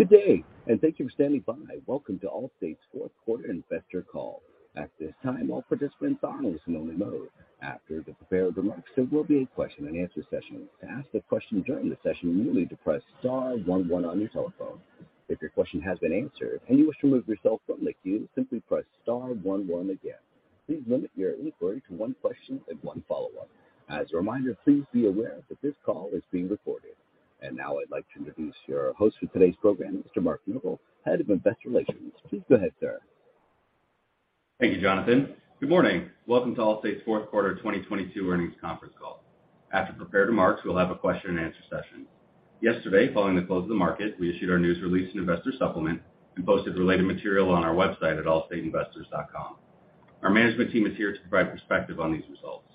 Good day, and thank you for standing by. Welcome to Allstate's Fourth Quarter Investor Call. At this time, all participants are in listen-only mode. After the prepared remarks, there will be a question-and-answer session. To ask a question during the session, you will need to press star 1 1 on your telephone. If your question has been answered and you wish to remove yourself from the queue, simply press star one one again. Please limit your inquiry to one question and one follow-up. As a reminder, please be aware that this call is being recorded. Now I'd like to introduce your host for today's program, Mr. Mark Nogal, Head of Investor Relations. Please go ahead, sir. Thank you, Jonathan. Good morning. Welcome to Allstate's fourth quarter 2022 earnings conference call. After prepared remarks, we'll have a question-and-answer session. Yesterday, following the close of the market, we issued our news release and investor supplement and posted related material on our website at AllstateInvestors.com. Our management team is here to provide perspective on these results.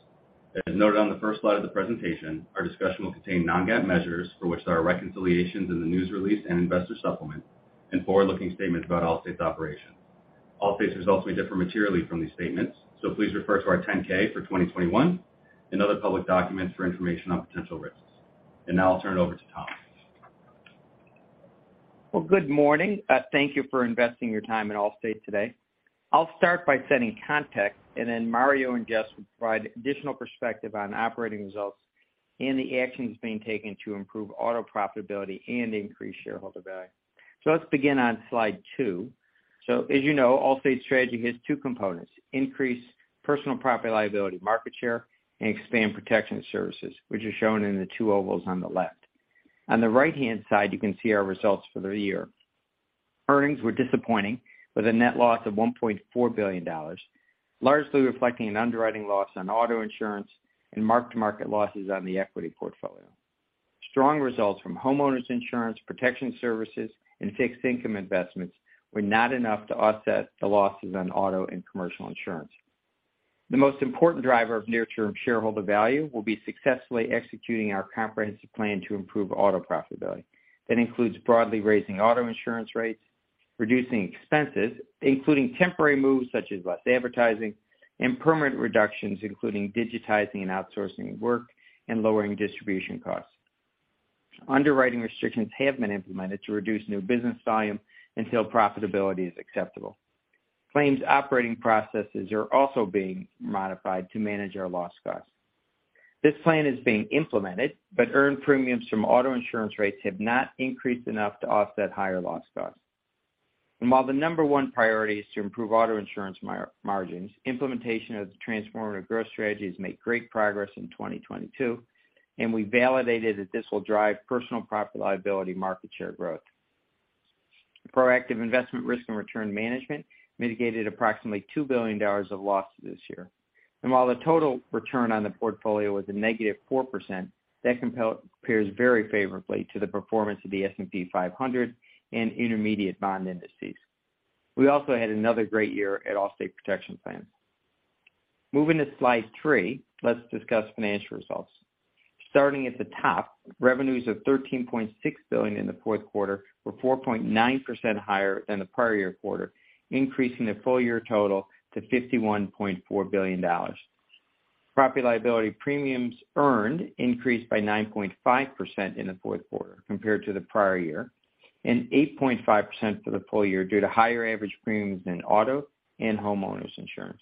As noted on the first slide of the presentation, our discussion will contain non-GAAP measures for which there are reconciliations in the news release and investor supplement and forward-looking statements about Allstate's operations. Allstate's results may differ materially from these statements, so please refer to our Form 10-K for 2021 and other public documents for information on potential risks. Now I'll turn it over to Tom. Well, good morning. Thank you for investing your time in Allstate today. I'll start by setting context. Then Mario and Jess will provide additional perspective on operating results and the actions being taken to improve auto profitability and increase shareholder value. Let's begin on slide 2. As you know, Allstate's strategy has 2 components, increase personal property-liability, market share, and expand protection services, which are shown in the 2 ovals on the left. On the right-hand side, you can see our results for the year. Earnings were disappointing with a net loss of $1.4 billion, largely reflecting an underwriting loss on auto insurance and mark-to-market losses on the equity portfolio. Strong results from homeowners insurance, protection services, and fixed income investments were not enough to offset the losses on auto and commercial insurance. The most important driver of near-term shareholder value will be successfully executing our comprehensive plan to improve auto profitability. That includes broadly raising auto insurance rates, reducing expenses, including temporary moves such as less advertising and permanent reductions, including digitizing and outsourcing work and lowering distribution costs. Underwriting restrictions have been implemented to reduce new business volume until profitability is acceptable. Claims operating processes are also being modified to manage our loss costs. This plan is being implemented, but earned premiums from auto insurance rates have not increased enough to offset higher loss costs. While the number 1 priority is to improve auto insurance margins, implementation of the transformative growth strategy has made great progress in 2022, and we validated that this will drive personal profit liability market share growth. Proactive investment risk and return management mitigated approximately $2 billion of losses this year. While the total return on the portfolio was a negative 4%, that compares very favorably to the performance of the S&P 500 and Intermediate Bond Indices. We also had another great year at Allstate Protection Plans. Moving to slide 3, let's discuss financial results. Starting at the top, revenues of $13.6 billion in the fourth quarter were 4.9% higher than the prior year quarter, increasing the full year total to $51.4 billion. Property liability premiums earned increased by 9.5% in the fourth quarter compared to the prior year and 8.5% for the full year due to higher average premiums in auto and homeowners insurance.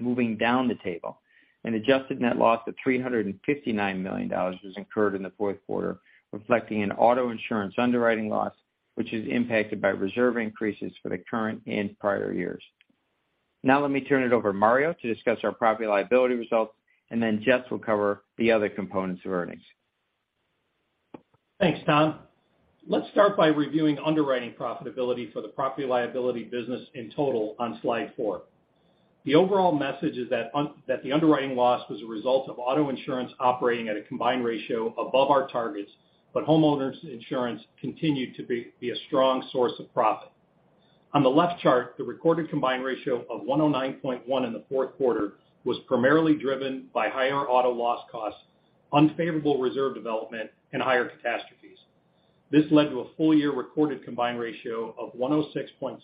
Moving down the table, an adjusted net loss of $359 million was incurred in the fourth quarter, reflecting an auto insurance underwriting loss, which is impacted by reserve increases for the current and prior years. Let me turn it over to Mario to discuss our property liability results, and then Jess will cover the other components of earnings. Thanks, Tom. Let's start by reviewing underwriting profitability for the property liability business in total on slide 4. The overall message is that the underwriting loss was a result of auto insurance operating at a combined ratio above our targets, but homeowners insurance continued to be a strong source of profit. On the left chart, the recorded combined ratio of 109.1 in the fourth quarter was primarily driven by higher auto loss costs, unfavorable reserve development, and higher catastrophes. This led to a full year recorded combined ratio of 106.6,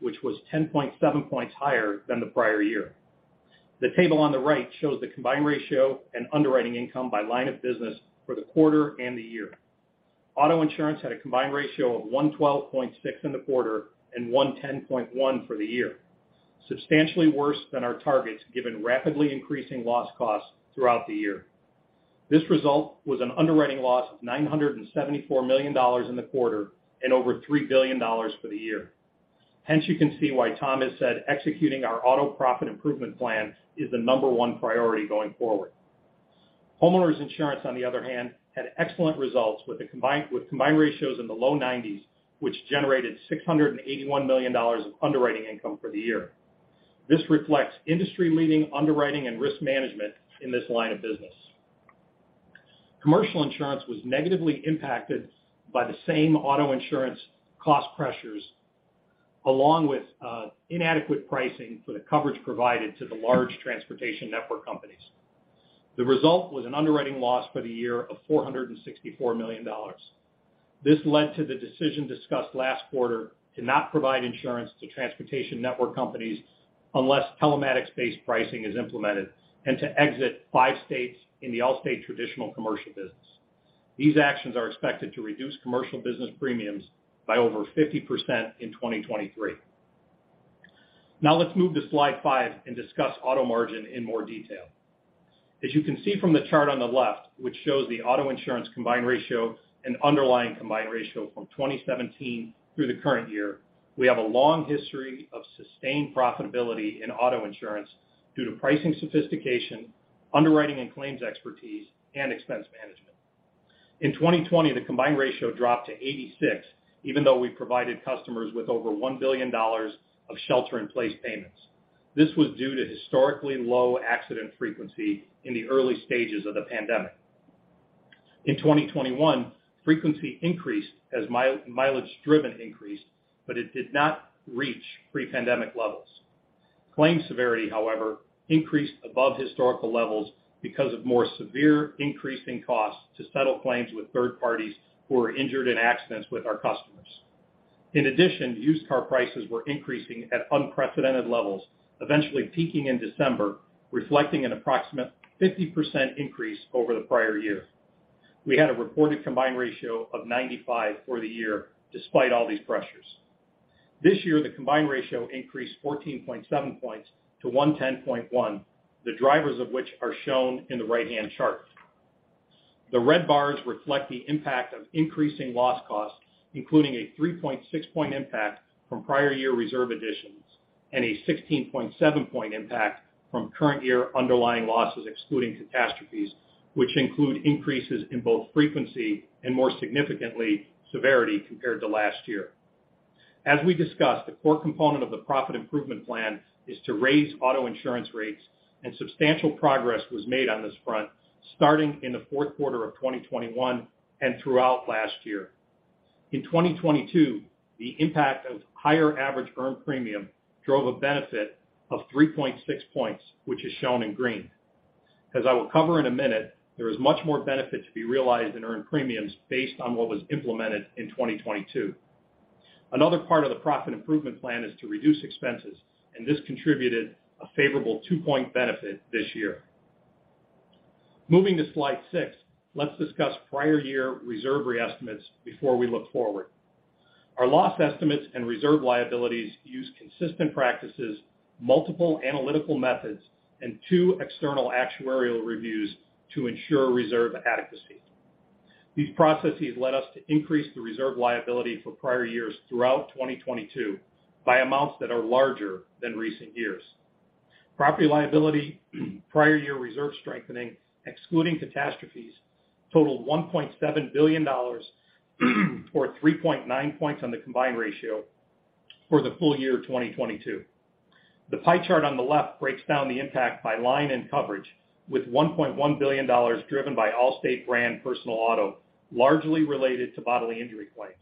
which was 10.7 points higher than the prior year. The table on the right shows the combined ratio and underwriting income by line of business for the quarter and the year. Auto insurance had a combined ratio of 112.6 in the quarter and 110.1 for the year, substantially worse than our targets, given rapidly increasing loss costs throughout the year. This result was an underwriting loss of $974 million in the quarter and over $3 billion for the year. You can see why Tom has said executing our auto profit improvement plan is the number 1 priority going forward. Homeowners insurance, on the other hand, had excellent results with combined ratios in the low 90s, which generated $681 million of underwriting income for the year. This reflects industry-leading underwriting and risk management in this line of business. Commercial insurance was negatively impacted by the same auto insurance cost pressures, along with inadequate pricing for the coverage provided to the large transportation network companies. The result was an underwriting loss for the year of $464 million. This led to the decision discussed last quarter to not provide insurance to transportation network companies, unless telematics-based pricing is implemented and to exit five states in the Allstate traditional commercial business. These actions are expected to reduce commercial business premiums by over 50% in 2023. Let's move to slide 5 and discuss auto margin in more detail. As you can see from the chart on the left, which shows the auto insurance combined ratio and underlying combined ratio from 2017 through the current year, we have a long history of sustained profitability in auto insurance due to pricing sophistication, underwriting and claims expertise, and expense management. In 2020, the combined ratio dropped to 86, even though we provided customers with over $1 billion of Shelter-in-Place payments. This was due to historically low accident frequency in the early stages of the pandemic. In 2021, frequency increased as mileage driven increased, but it did not reach pre-pandemic levels. Claim severity, however, increased above historical levels because of more severe increasing costs to settle claims with third parties who were injured in accidents with our customers. In addition, used car prices were increasing at unprecedented levels, eventually peaking in December, reflecting an approximate 50% increase over the prior year. We had a reported combined ratio of 95 for the year, despite all these pressures. This year, the combined ratio increased 14.7 points to 110.1, the drivers of which are shown in the right-hand chart. The red bars reflect the impact of increasing loss costs, including a 3.6 point impact from prior year reserve additions and a 16.7 point impact from current year underlying losses excluding catastrophes, which include increases in both frequency and, more significantly, severity compared to last year. As we discussed, a core component of the profit improvement plan is to raise auto insurance rates, and substantial progress was made on this front starting in the fourth quarter of 2021 and throughout last year. In 2022, the impact of higher average earned premium drove a benefit of 3.6 points, which is shown in green. As I will cover in a minute, there is much more benefit to be realized in earned premiums based on what was implemented in 2022. Another part of the profit improvement plan is to reduce expenses, and this contributed a favorable 2-point benefit this year. Moving to slide 6, let's discuss prior year reserve reestimates before we look forward. Our loss estimates and reserve liabilities use consistent practices, multiple analytical methods, and 2 external actuarial reviews to ensure reserve adequacy. These processes led us to increase the reserve liability for prior years throughout 2022 by amounts that are larger than recent years. Property liability, prior year reserve strengthening, excluding catastrophes, totaled $1.7 billion or 3.9 points on the combined ratio for the full year of 2022. The pie chart on the left breaks down the impact by line and coverage, with $1.1 billion driven by Allstate brand personal auto, largely related to bodily injury claims.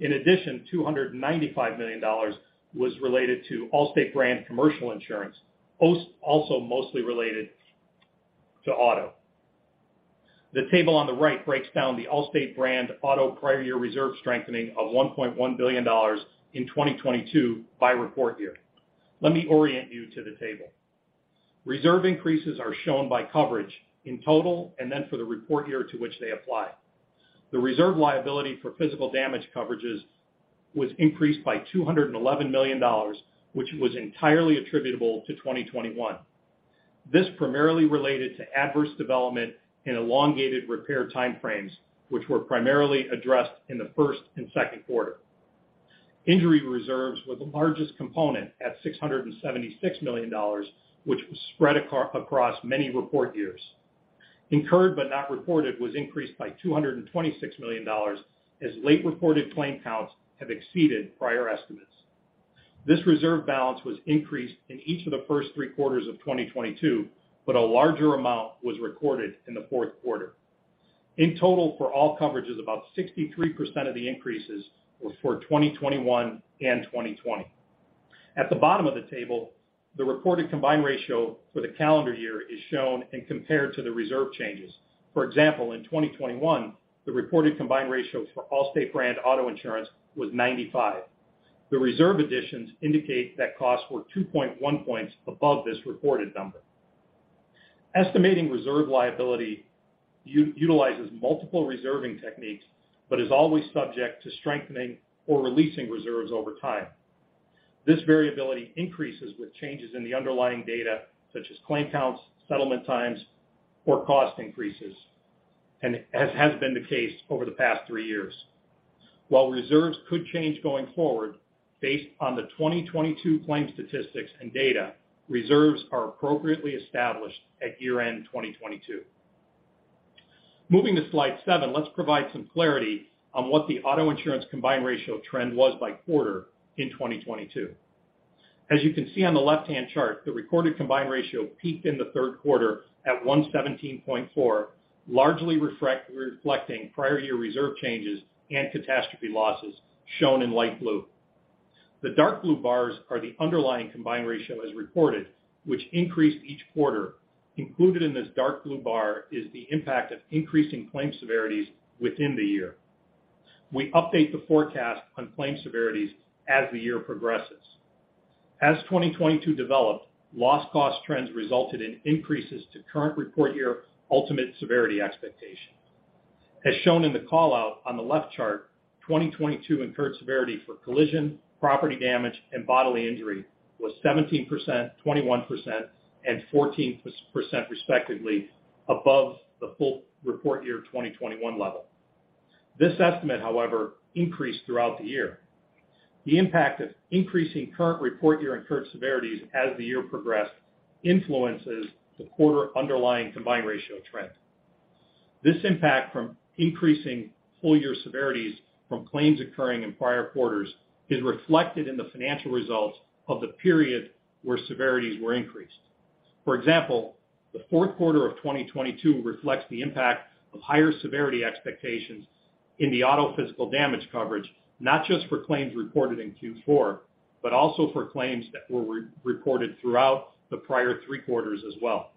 Two hundred and ninety-five million dollars was also mostly related to Allstate brand commercial insurance, also mostly related to auto. The table on the right breaks down the Allstate brand auto prior year reserve strengthening of $1.1 billion in 2022 by report year. Let me orient you to the table. Reserve increases are shown by coverage in total and then for the report year to which they apply. The reserve liability for physical damage coverages was increased by $211 million, which was entirely attributable to 2021. This primarily related to adverse development in elongated repair time frames, which were primarily addressed in the first and second quarter. Injury reserves were the largest component at $676 million, which was spread across many report years. Incurred but not reported was increased by $226 million, as late-reported claim counts have exceeded prior estimates. This reserve balance was increased in each of the first 3 quarters of 2022, but a larger amount was recorded in the fourth quarter. In total, for all coverages, about 63% of the increases were for 2021 and 2020. At the bottom of the table, the reported combined ratio for the calendar year is shown and compared to the reserve changes. For example, in 2021, the reported combined ratio for Allstate brand auto insurance was 95%. The reserve additions indicate that costs were 2.1 points above this reported number. Estimating reserve liability utilizes multiple reserving techniques but is always subject to strengthening or releasing reserves over time. This variability increases with changes in the underlying data, such as claim counts, settlement times, or cost increases, as has been the case over the past 3 years. While reserves could change going forward, based on the 2022 claim statistics and data, reserves are appropriately established at year-end 2022. Moving to slide 7, let's provide some clarity on what the auto insurance combined ratio trend was by quarter in 2022. As you can see on the left-hand chart, the recorded combined ratio peaked in the third quarter at 117.4, largely reflecting prior year reserve changes and catastrophe losses, shown in light blue. The dark blue bars are the underlying combined ratio as reported, which increased each quarter. Included in this dark blue bar is the impact of increasing claim severities within the year. We update the forecast on claim severities as the year progresses. As 2022 developed, loss cost trends resulted in increases to current report year ultimate severity expectation. As shown in the call-out on the left chart, 2022 incurred severity for collision, property damage, and bodily injury was 17%, 21%, and 14% respectively above the full report year 2021 level. This estimate, however, increased throughout the year. The impact of increasing current report year incurred severities as the year progressed influences the quarter underlying combined ratio trend. This impact from increasing full year severities from claims occurring in prior quarters is reflected in the financial results of the period where severities were increased. For example, the fourth quarter of 2022 reflects the impact of higher severity expectations in the auto physical damage coverage, not just for claims reported in Q4, but also for claims that were re-reported throughout the prior three quarters as well.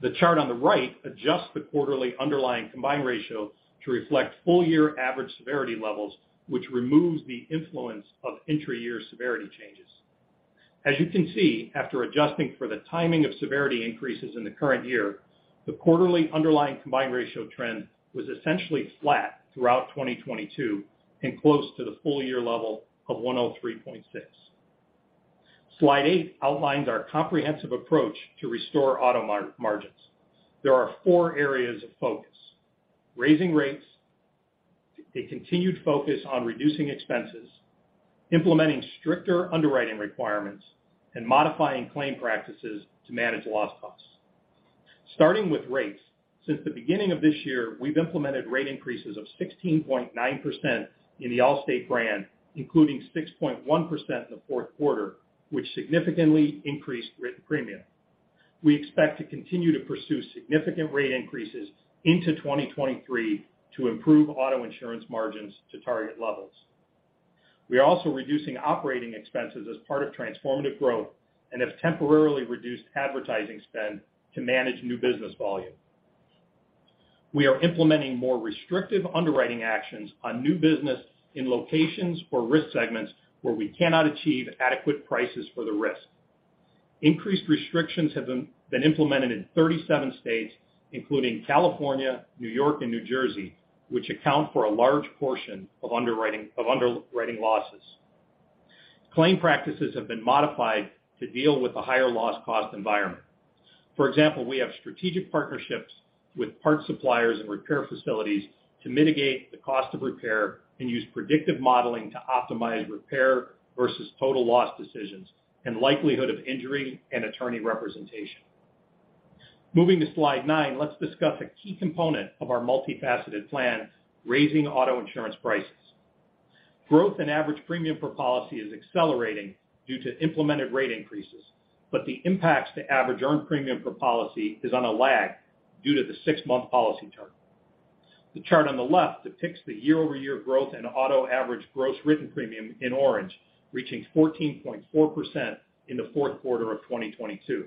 The chart on the right adjusts the quarterly underlying combined ratio to reflect full year average severity levels, which removes the influence of intra-year severity changes. As you can see, after adjusting for the timing of severity increases in the current year, the quarterly underlying combined ratio trend was essentially flat throughout 2022 and close to the full year level of 103.6. Slide 8 outlines our comprehensive approach to restore auto margins. There are four areas of focus. Raising rates, a continued focus on reducing expenses, implementing stricter underwriting requirements, and modifying claim practices to manage loss costs. Starting with rates, since the beginning of this year, we've implemented rate increases of 16.9% in the Allstate brand, including 6.1% in the fourth quarter, which significantly increased written premium. We expect to continue to pursue significant rate increases into 2023 to improve auto insurance margins to target levels. We are also reducing operating expenses as part of transformative growth and have temporarily reduced advertising spend to manage new business volume. We are implementing more restrictive underwriting actions on new business in locations or risk segments where we cannot achieve adequate prices for the risk. Increased restrictions have been implemented in 37 states, including California, New York, and New Jersey, which account for a large portion of underwriting losses. Claim practices have been modified to deal with the higher loss cost environment. For example, we have strategic partnerships with parts suppliers and repair facilities to mitigate the cost of repair and use predictive modeling to optimize repair versus total loss decisions and likelihood of injury and attorney representation. Moving to slide 9, let's discuss a key component of our multifaceted plan, raising auto insurance prices. Growth and average premium per policy is accelerating due to implemented rate increases. The impacts to average earned premium per policy is on a lag due to the six-month policy term. The chart on the left depicts the year-over-year growth in auto average gross written premium in orange, reaching 14.4% in the fourth quarter of 2022.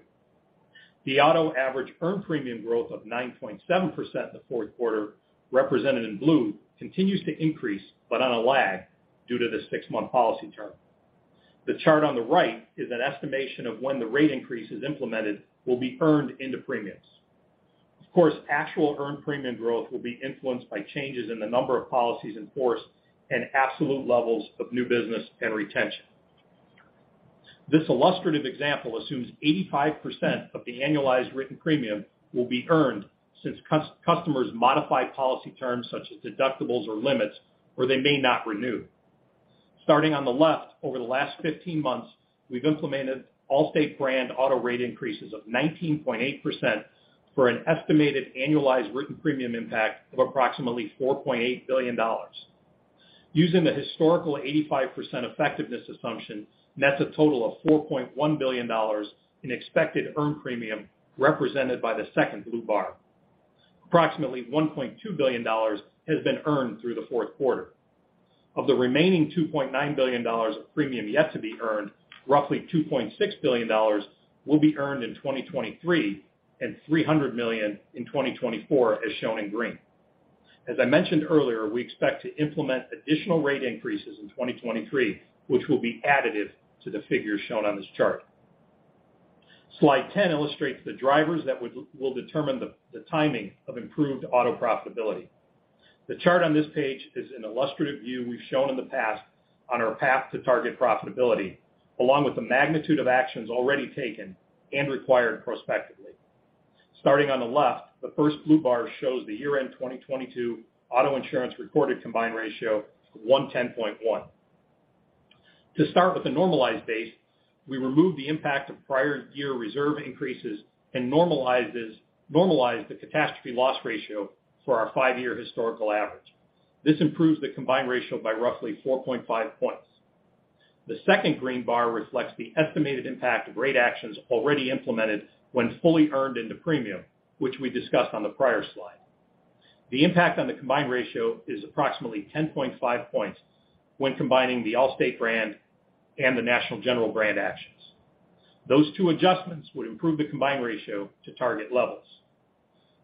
The auto average earned premium growth of 9.7% in the fourth quarter, represented in blue, continues to increase, but on a lag due to the six-month policy term. The chart on the right is an estimation of when the rate increase is implemented will be earned into premiums. Of course, actual earned premium growth will be influenced by changes in the number of policies in force and absolute levels of new business and retention. This illustrative example assumes 85% of the annualized written premium will be earned since customers modify policy terms such as deductibles or limits, or they may not renew. Starting on the left, over the last 15 months, we've implemented Allstate brand auto rate increases of 19.8% for an estimated annualized written premium impact of approximately $4.8 billion. Using the historical 85% effectiveness assumption, nets a total of $4.1 billion in expected earned premium represented by the second blue bar. Approximately $1.2 billion has been earned through the fourth quarter. Of the remaining $2.9 billion of premium yet to be earned, roughly $2.6 billion will be earned in 2023 and $300 million in 2024, as shown in green. As I mentioned earlier, we expect to implement additional rate increases in 2023, which will be additive to the figures shown on this chart. Slide 10 illustrates the drivers that will determine the timing of improved auto profitability. The chart on this page is an illustrative view we've shown in the past on our path to target profitability, along with the magnitude of actions already taken and required prospectively. Starting on the left, the first blue bar shows the year-end 2022 auto insurance reported combined ratio of 110.1. To start with a normalized base, we removed the impact of prior year reserve increases and normalized the catastrophe loss ratio for our 5-year historical average. This improves the combined ratio by roughly 4.5 points. The second green bar reflects the estimated impact of rate actions already implemented when fully earned into premium, which we discussed on the prior slide. The impact on the combined ratio is approximately 10.5 points when combining the Allstate brand and the National General brand actions. Those two adjustments would improve the combined ratio to target levels.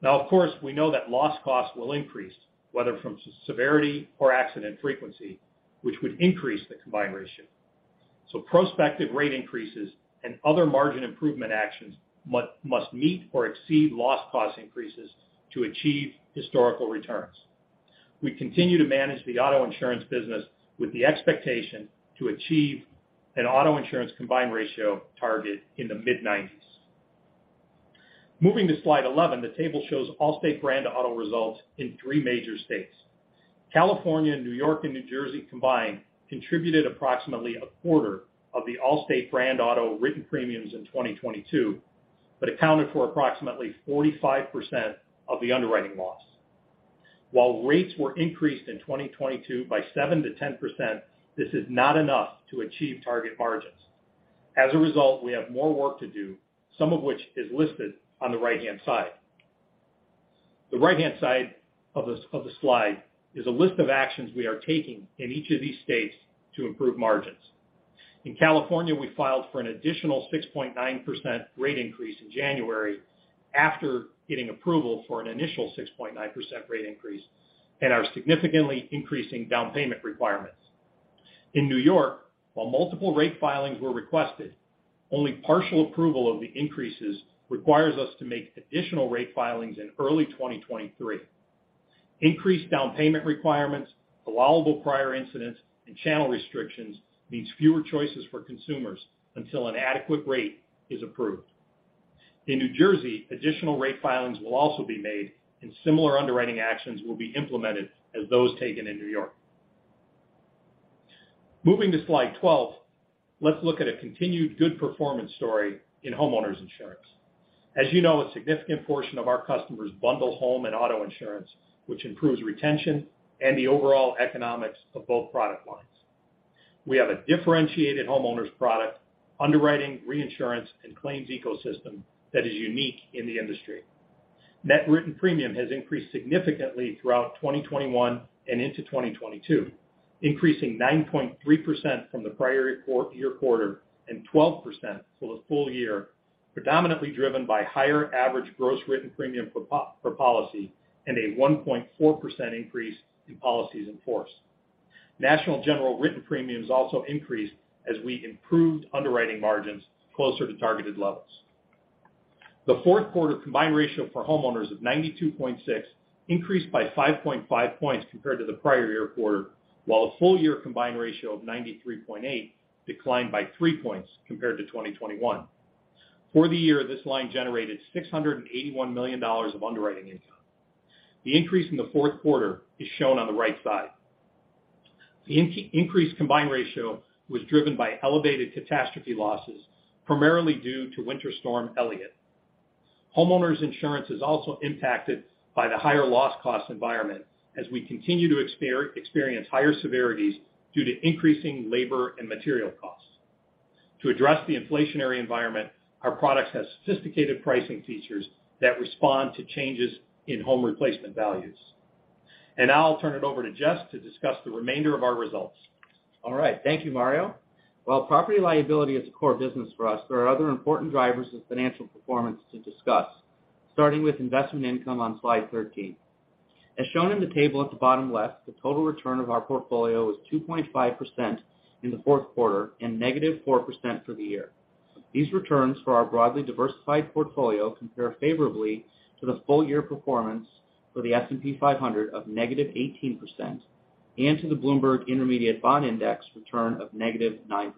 Of course, we know that loss costs will increase, whether from severity or accident frequency, which would increase the combined ratio. Prospective rate increases and other margin improvement actions must meet or exceed loss cost increases to achieve historical returns. We continue to manage the auto insurance business with the expectation to achieve an auto insurance combined ratio target in the mid-90s. Moving to slide 11, the table shows Allstate brand auto results in three major states. California, New York, and New Jersey combined contributed approximately a quarter of the Allstate brand auto written premiums in 2022, but accounted for approximately 45% of the underwriting loss. While rates were increased in 2022 by 7%-10%, this is not enough to achieve target margins. As a result, we have more work to do, some of which is listed on the right-hand side. The right-hand side of the slide is a list of actions we are taking in each of these states to improve margins. In California, we filed for an additional 6.9% rate increase in January after getting approval for an initial 6.9% rate increase and are significantly increasing down payment requirements. In New York, while multiple rate filings were requested, only partial approval of the increases requires us to make additional rate filings in early 2023. Increased down payment requirements, allowable prior incidents, and channel restrictions means fewer choices for consumers until an adequate rate is approved. In New Jersey, additional rate filings will also be made, and similar underwriting actions will be implemented as those taken in New York. Moving to slide 12, let's look at a continued good performance story in homeowners insurance. As you know, a significant portion of our customers bundle home and auto insurance, which improves retention and the overall economics of both product lines. We have a differentiated homeowners product underwriting, reinsurance, and claims ecosystem that is unique in the industry. Net written premium has increased significantly throughout 2021 and into 2022, increasing 9.3% from the prior year quarter and 12% for the full year, predominantly driven by higher average gross written premium per policy and a 1.4% increase in policies in force. National General written premiums also increased as we improved underwriting margins closer to targeted levels. The fourth quarter combined ratio for homeowners of 92.6 increased by 5.5 points compared to the prior year quarter, while a full year combined ratio of 93.8 declined by 3 points compared to 2021. For the year, this line generated $681 million of underwriting income. The increase in the fourth quarter is shown on the right side. The increased combined ratio was driven by elevated catastrophe losses, primarily due to Winter Storm Elliott. Homeowners insurance is also impacted by the higher loss cost environment as we continue to experience higher severities due to increasing labor and material costs. To address the inflationary environment, our products have sophisticated pricing features that respond to changes in home replacement values. Now I'll turn it over to Jess to discuss the remainder of our results. All right. Thank you, Mario. While property liability is a core business for us, there are other important drivers of financial performance to discuss, starting with investment income on slide 13. As shown in the table at the bottom left, the total return of our portfolio was 2.5% in the fourth quarter and negative 4% for the year. These returns for our broadly diversified portfolio compare favorably to the full year performance for the S&P 500 of negative 18% and to the Bloomberg Intermediate Bond Index return of negative 9%.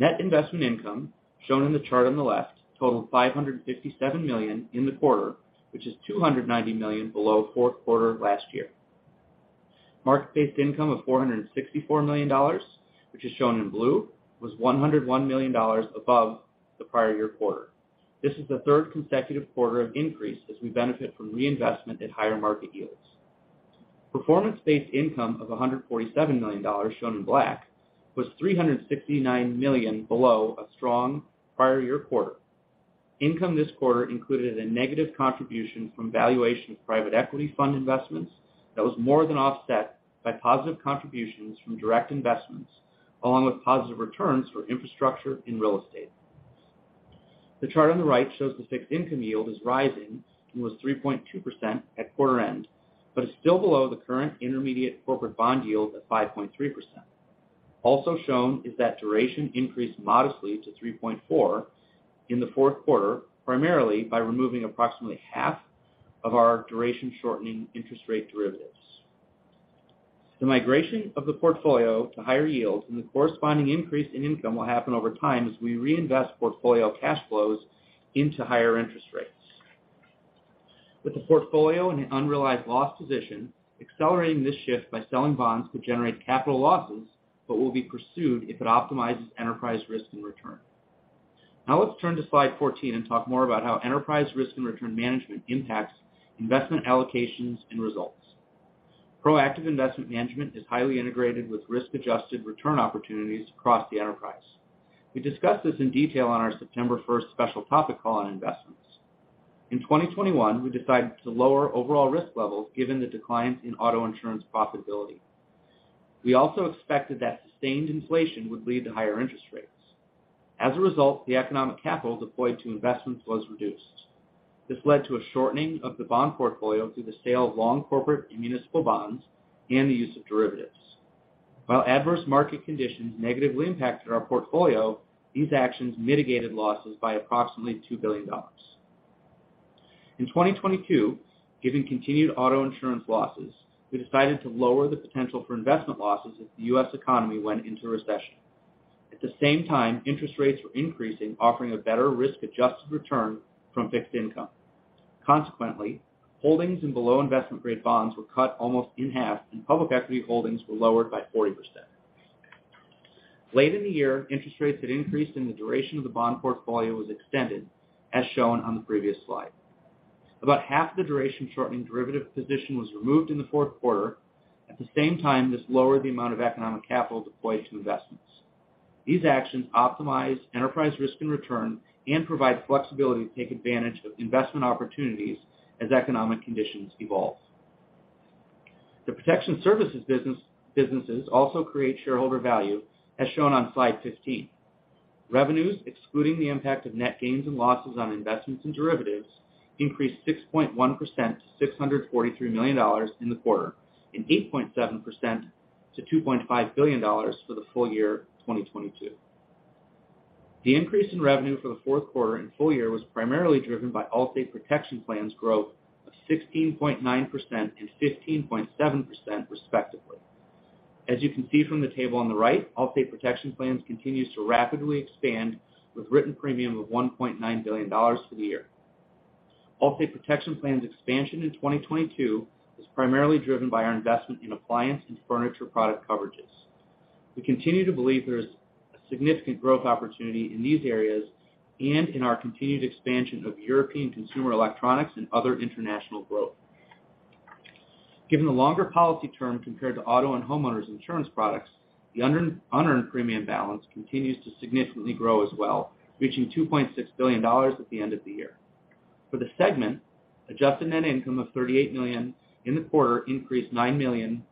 Net investment income, shown in the chart on the left, totaled $557 million in the quarter, which is $290 million below fourth quarter of last year. Market-based income of $464 million, which is shown in blue, was $101 million above the prior year quarter. This is the third consecutive quarter of increase as we benefit from reinvestment at higher market yields. Performance-based income of $147 million, shown in black, was $369 million below a strong prior year quarter. Income this quarter included a negative contribution from valuation of private equity fund investments that was more than offset by positive contributions from direct investments, along with positive returns for infrastructure and real estate. The chart on the right shows the fixed income yield is rising and was 3.2% at quarter end, but is still below the current intermediate corporate bond yield at 5.3%. Also shown is that duration increased modestly to 3.4 in the fourth quarter, primarily by removing approximately half of our duration shortening interest rate derivatives. The migration of the portfolio to higher yields and the corresponding increase in income will happen over time as we reinvest portfolio cash flows into higher interest rates. With the portfolio in an unrealized loss position, accelerating this shift by selling bonds could generate capital losses but will be pursued if it optimizes enterprise risk and return. Let's turn to slide 14 and talk more about how enterprise risk and return management impacts investment allocations and results. Proactive investment management is highly integrated with risk-adjusted return opportunities across the enterprise. We discussed this in detail on our September first special topic call on investments. In 2021, we decided to lower overall risk levels given the declines in auto insurance profitability. We also expected that sustained inflation would lead to higher interest rates. As a result, the economic capital deployed to investments was reduced. This led to a shortening of the bond portfolio through the sale of long corporate and municipal bonds and the use of derivatives. While adverse market conditions negatively impacted our portfolio, these actions mitigated losses by approximately $2 billion. In 2022, given continued auto insurance losses, we decided to lower the potential for investment losses if the U.S. economy went into recession. At the same time, interest rates were increasing, offering a better risk-adjusted return from fixed income. Consequently, holdings in below investment grade bonds were cut almost in half, and public equity holdings were lowered by 40%. Late in the year, interest rates had increased, and the duration of the bond portfolio was extended, as shown on the previous slide. About half the duration shortening derivative position was removed in the fourth quarter. At the same time, this lowered the amount of economic capital deployed to investments. These actions optimize enterprise risk and return and provide flexibility to take advantage of investment opportunities as economic conditions evolve. The protection services businesses also create shareholder value, as shown on slide 15. Revenues, excluding the impact of net gains and losses on investments and derivatives, increased 6.1% to $643 million in the quarter and 8.7% to $2.5 billion for the full year 2022. The increase in revenue for the fourth quarter and full year was primarily driven by Allstate Protection Plans growth of 16.9% and 15.7%, respectively. You can see from the table on the right, Allstate Protection Plans continues to rapidly expand, with written premium of $1.9 billion for the year. Allstate Protection Plans expansion in 2022 is primarily driven by our investment in appliance and furniture product coverages. We continue to believe there is a significant growth opportunity in these areas and in our continued expansion of European consumer electronics and other international growth. Given the longer policy term compared to auto and homeowners insurance products, the unearned premium balance continues to significantly grow as well, reaching $2.6 billion at the end of the year. For the segment, adjusted net income of $38 million in the quarter increased $9 million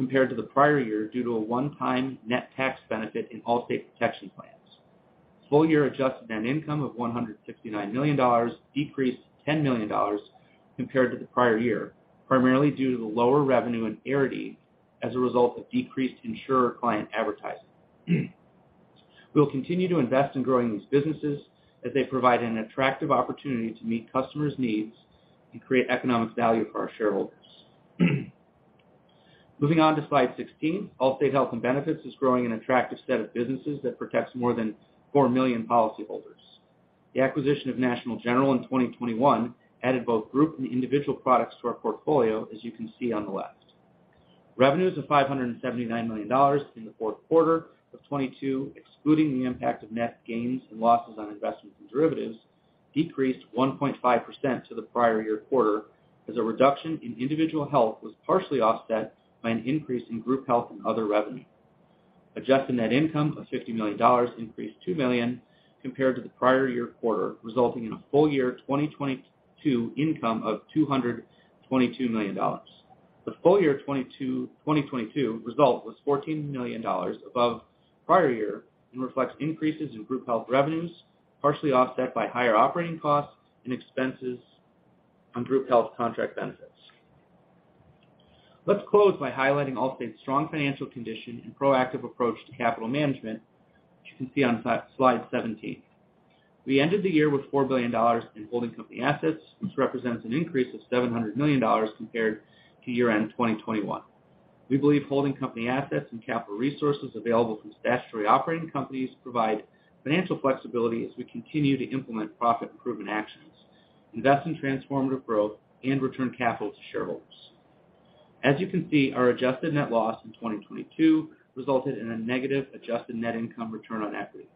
compared to the prior year due to a one-time net tax benefit in Allstate Protection Plans. Full year adjusted net income of $169 million decreased $10 million compared to the prior year, primarily due to the lower revenue in Arity as a result of decreased insurer client advertising. We'll continue to invest in growing these businesses as they provide an attractive opportunity to meet customers' needs and create economic value for our shareholders. Moving on to slide 16. Allstate Health and Benefits is growing an attractive set of businesses that protects more than 4 million policyholders. The acquisition of National General in 2021 added both group and individual products to our portfolio, as you can see on the left. Revenues of $579 million in the fourth quarter of 2022, excluding the impact of net gains and losses on investments and derivatives, decreased 1.5% to the prior year quarter as a reduction in individual health was partially offset by an increase in group health and other revenue. Adjusted net income of $50 million increased $2 million compared to the prior year quarter, resulting in a full year 2022 income of $222 million. The full year 2022 result was $14 million above prior year and reflects increases in group health revenues, partially offset by higher operating costs and expenses on group health contract benefits. Let's close by highlighting Allstate's strong financial condition and proactive approach to capital management, as you can see on slide 17. We ended the year with $4 billion in holding company assets, which represents an increase of $700 million compared to year-end 2021. We believe holding company assets and capital resources available from statutory operating companies provide financial flexibility as we continue to implement profit improvement actions, invest in transformative growth, and return capital to shareholders. As you can see, our adjusted net loss in 2022 resulted in a negative adjusted net income return on equity.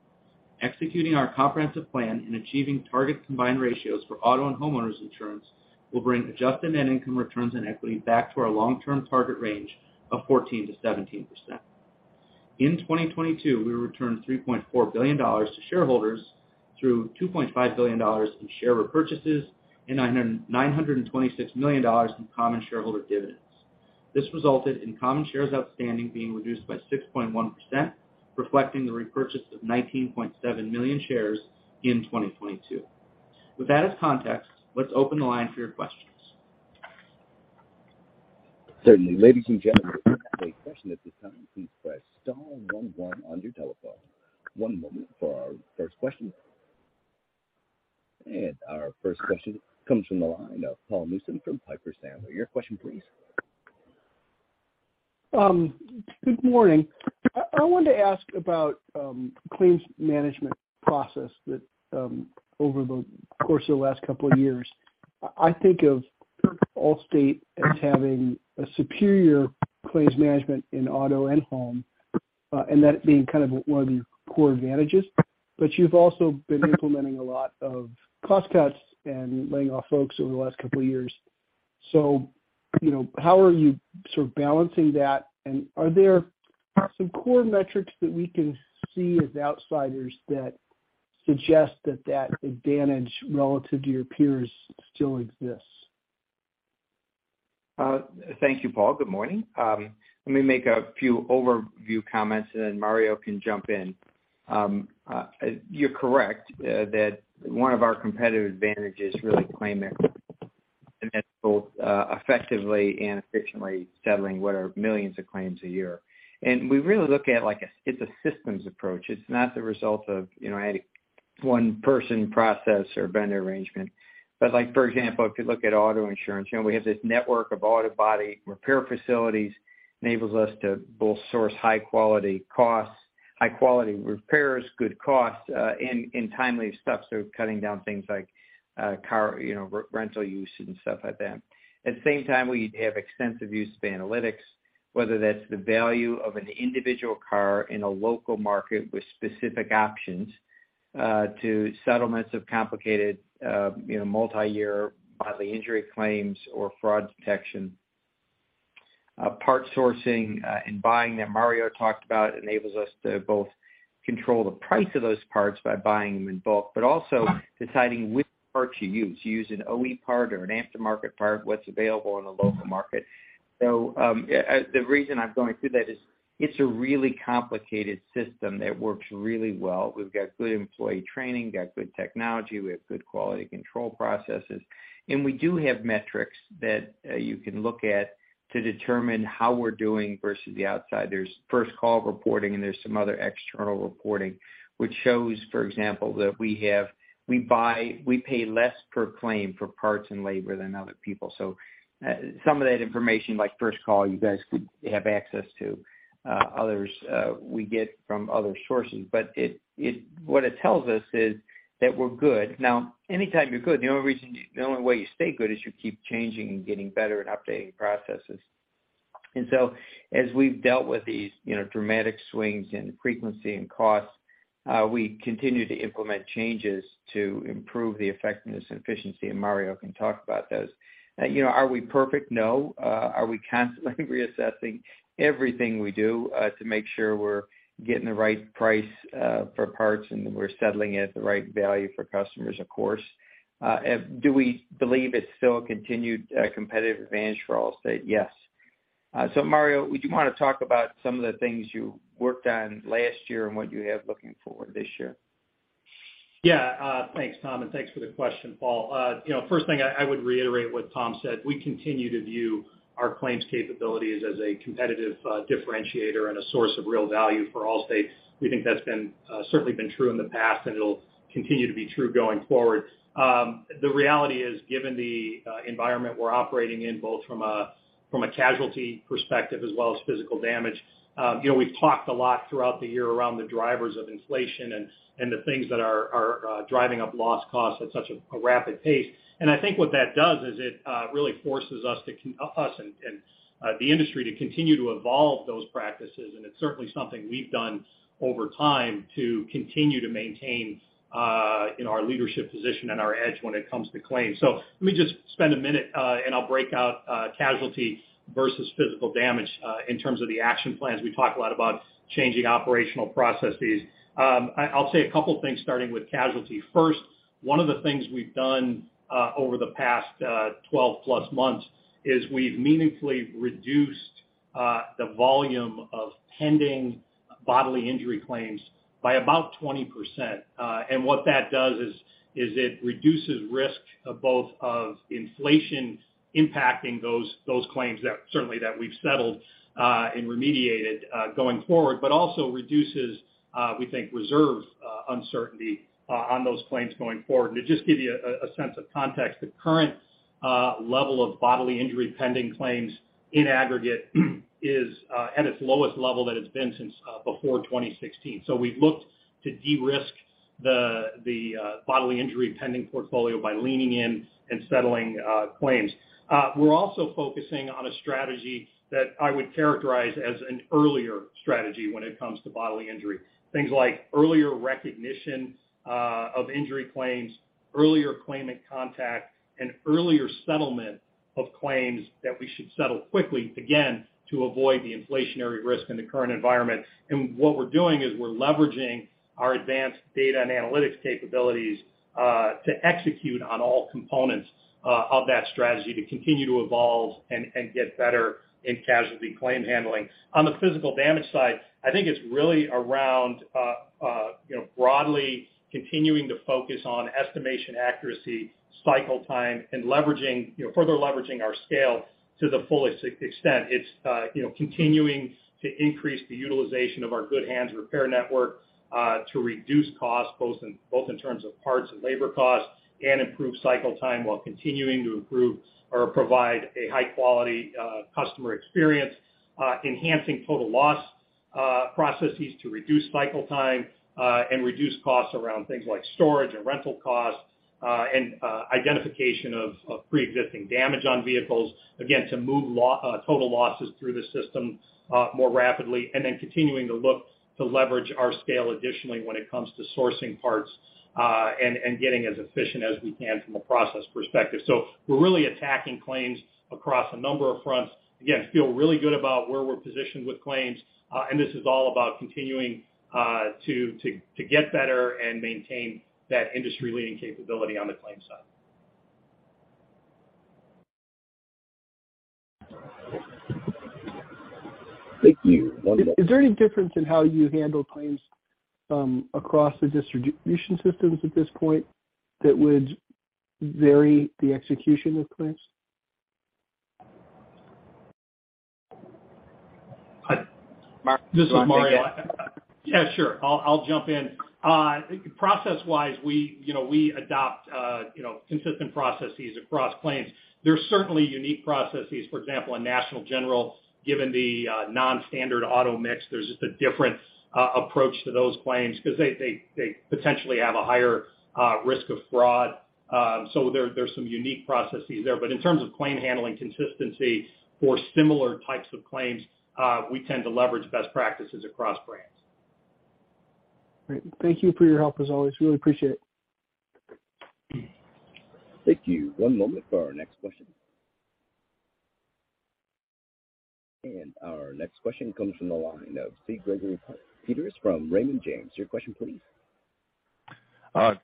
Executing our comprehensive plan and achieving target combined ratios for auto and homeowners insurance will bring adjusted net income returns on equity back to our long-term target range of 14%-17%. In 2022, we returned $3.4 billion to shareholders through $2.5 billion in share repurchases and $926 million in common shareholder dividends. This resulted in common shares outstanding being reduced by 6.1%, reflecting the repurchase of 19.7 million shares in 2022. With that as context, let's open the line for your questions. Certainly. Ladies and gentlemen, if you have a question at this time, please press star 11 on your telephone. One moment for our first question. Our first question comes from the line of Paul Newsome from Piper Sandler. Your question please. Good morning. I wanted to ask about claims management process that over the course of the last 2 years. I think of Allstate as having a superior claims management in auto and home, and that being kind of one of your core advantages. You've also been implementing a lot of cost cuts and laying off folks over the last 2 years. You know, how are you sort of balancing that? Are there some core metrics that we can see as outsiders that, suggest that that advantage relative to your peers still exists? Thank you, Paul. Good morning. Let me make a few overview comments, and then Mario can jump in. You're correct that one of our competitive advantages is really claimant effectively and efficiently settling what are millions of claims a year. We really look at it like it's a systems approach. It's not the result of, you know, any one person, process, or vendor arrangement. Like, for example, if you look at auto insurance, you know, we have this network of auto body repair facilities, enables us to both source high quality costs, high quality repairs, good costs, and timely stuff. Cutting down things like car, you know, re-rental use and stuff like that. At the same time, we have extensive use of analytics, whether that's the value of an individual car in a local market with specific options, to settlements of complicated, you know, multi-year bodily injury claims or fraud detection. Part sourcing and buying that Mario talked about enables us to both control the price of those parts by buying them in bulk, but also deciding which part to use. Use an OE part or an aftermarket part, what's available in the local market. The reason I'm going through that is it's a really complicated system that works really well. We've got good employee training, got good technology, we have good quality control processes. We do have metrics that you can look at to determine how we're doing versus the outside. There's first call reporting, and there's some other external reporting, which shows, for example, that we pay less per claim for parts and labor than other people. Some of that information, like first call, you guys could have access to. Others, we get from other sources. What it tells us is that we're good. Now, anytime you're good, the only way you stay good is you keep changing and getting better and updating processes. As we've dealt with these, you know, dramatic swings in frequency and costs, we continue to implement changes to improve the effectiveness and efficiency, and Mario can talk about those. You know, are we perfect? No. Are we constantly reassessing everything we do to make sure we're getting the right price for parts, and we're settling it at the right value for customers? Of course. Do we believe it's still a continued competitive advantage for Allstate? Yes. Mario, would you wanna talk about some of the things you worked on last year and what you have looking forward this year? Yeah. Thanks, Tom, and thanks for the question, Paul. You know, first thing, I would reiterate what Tom said. We continue to view our claims capabilities as a competitive differentiator and a source of real value for Allstate. We think that's been certainly been true in the past, and it'll continue to be true going forward. The reality is, given the environment we're operating in, both from a from a casualty perspective as well as physical damage, you know, we've talked a lot throughout the year around the drivers of inflation and the things that are driving up loss costs at such a rapid pace. I think what that does is it really forces us to us and the industry to continue to evolve those practices, and it's certainly something we've done over time to continue to maintain, you know, our leadership position and our edge when it comes to claims. Let me just spend a minute and I'll break out casualty versus physical damage in terms of the action plans. We talk a lot about changing operational processes. I'll say a couple things, starting with casualty. First, one of the things we've done over the past 12 plus months is we've meaningfully reduced the volume of pending bodily injury claims by about 20%. What that does is, it reduces risk of both of inflation impacting those claims that certainly we've settled and remediated going forward, but also reduces, we think, reserve uncertainty on those claims going forward. To just give you a sense of context, the current level of bodily injury pending claims in aggregate is at its lowest level that it's been since before 2016. So we've looked to de-risk the bodily injury pending portfolio by leaning in and settling claims. We're also focusing on a strategy that I would characterize as an earlier strategy when it comes to bodily injury, things like earlier recognition of injury claims, earlier claimant contact, and earlier settlement of claims that we should settle quickly, again, to avoid the inflationary risk in the current environment. What we're doing is we're leveraging our advanced data and analytics capabilities to execute on all components of that strategy to continue to evolve and get better in casualty claim handling. On the physical damage side, I think it's really around, you know, broadly continuing to focus on estimation accuracy, cycle time, and leveraging, you know, further leveraging our scale to the fullest extent. It's, you know, continuing to increase the utilization of our Good Hands Repair Network to reduce costs, both in terms of parts and labor costs, and improve cycle time while continuing to improve or provide a high-quality customer experience, enhancing total loss processes to reduce cycle time and reduce costs around things like storage and rental costs, and identification of preexisting damage on vehicles, again, to move total losses through the system more rapidly, continuing to look to leverage our scale additionally when it comes to sourcing parts, and getting as efficient as we can from a process perspective. We're really attacking claims across a number of fronts. Feel really good about where we're positioned with claims, and this is all about continuing to get better and maintain that industry-leading capability on the claims side. Thank you. One moment. Is there any difference in how you handle claims across the distribution systems at this point that would vary the execution of claims? Mark, do you want to take it? This is Mario. Yeah, sure. I'll jump in. Process-wise, we, you know, we adopt, you know, consistent processes across claims. There's certainly unique processes, for example, in National General, given the non-standard auto mix, there's just a different approach to those claims because they potentially have a higher risk of fraud. So there's some unique processes there. In terms of claim handling consistency for similar types of claims, we tend to leverage best practices across brands. Great. Thank you for your help as always. Really appreciate it. Thank you. One moment for our next question. Our next question comes from the line of C. Gregory Peters from Raymond James. Your question please.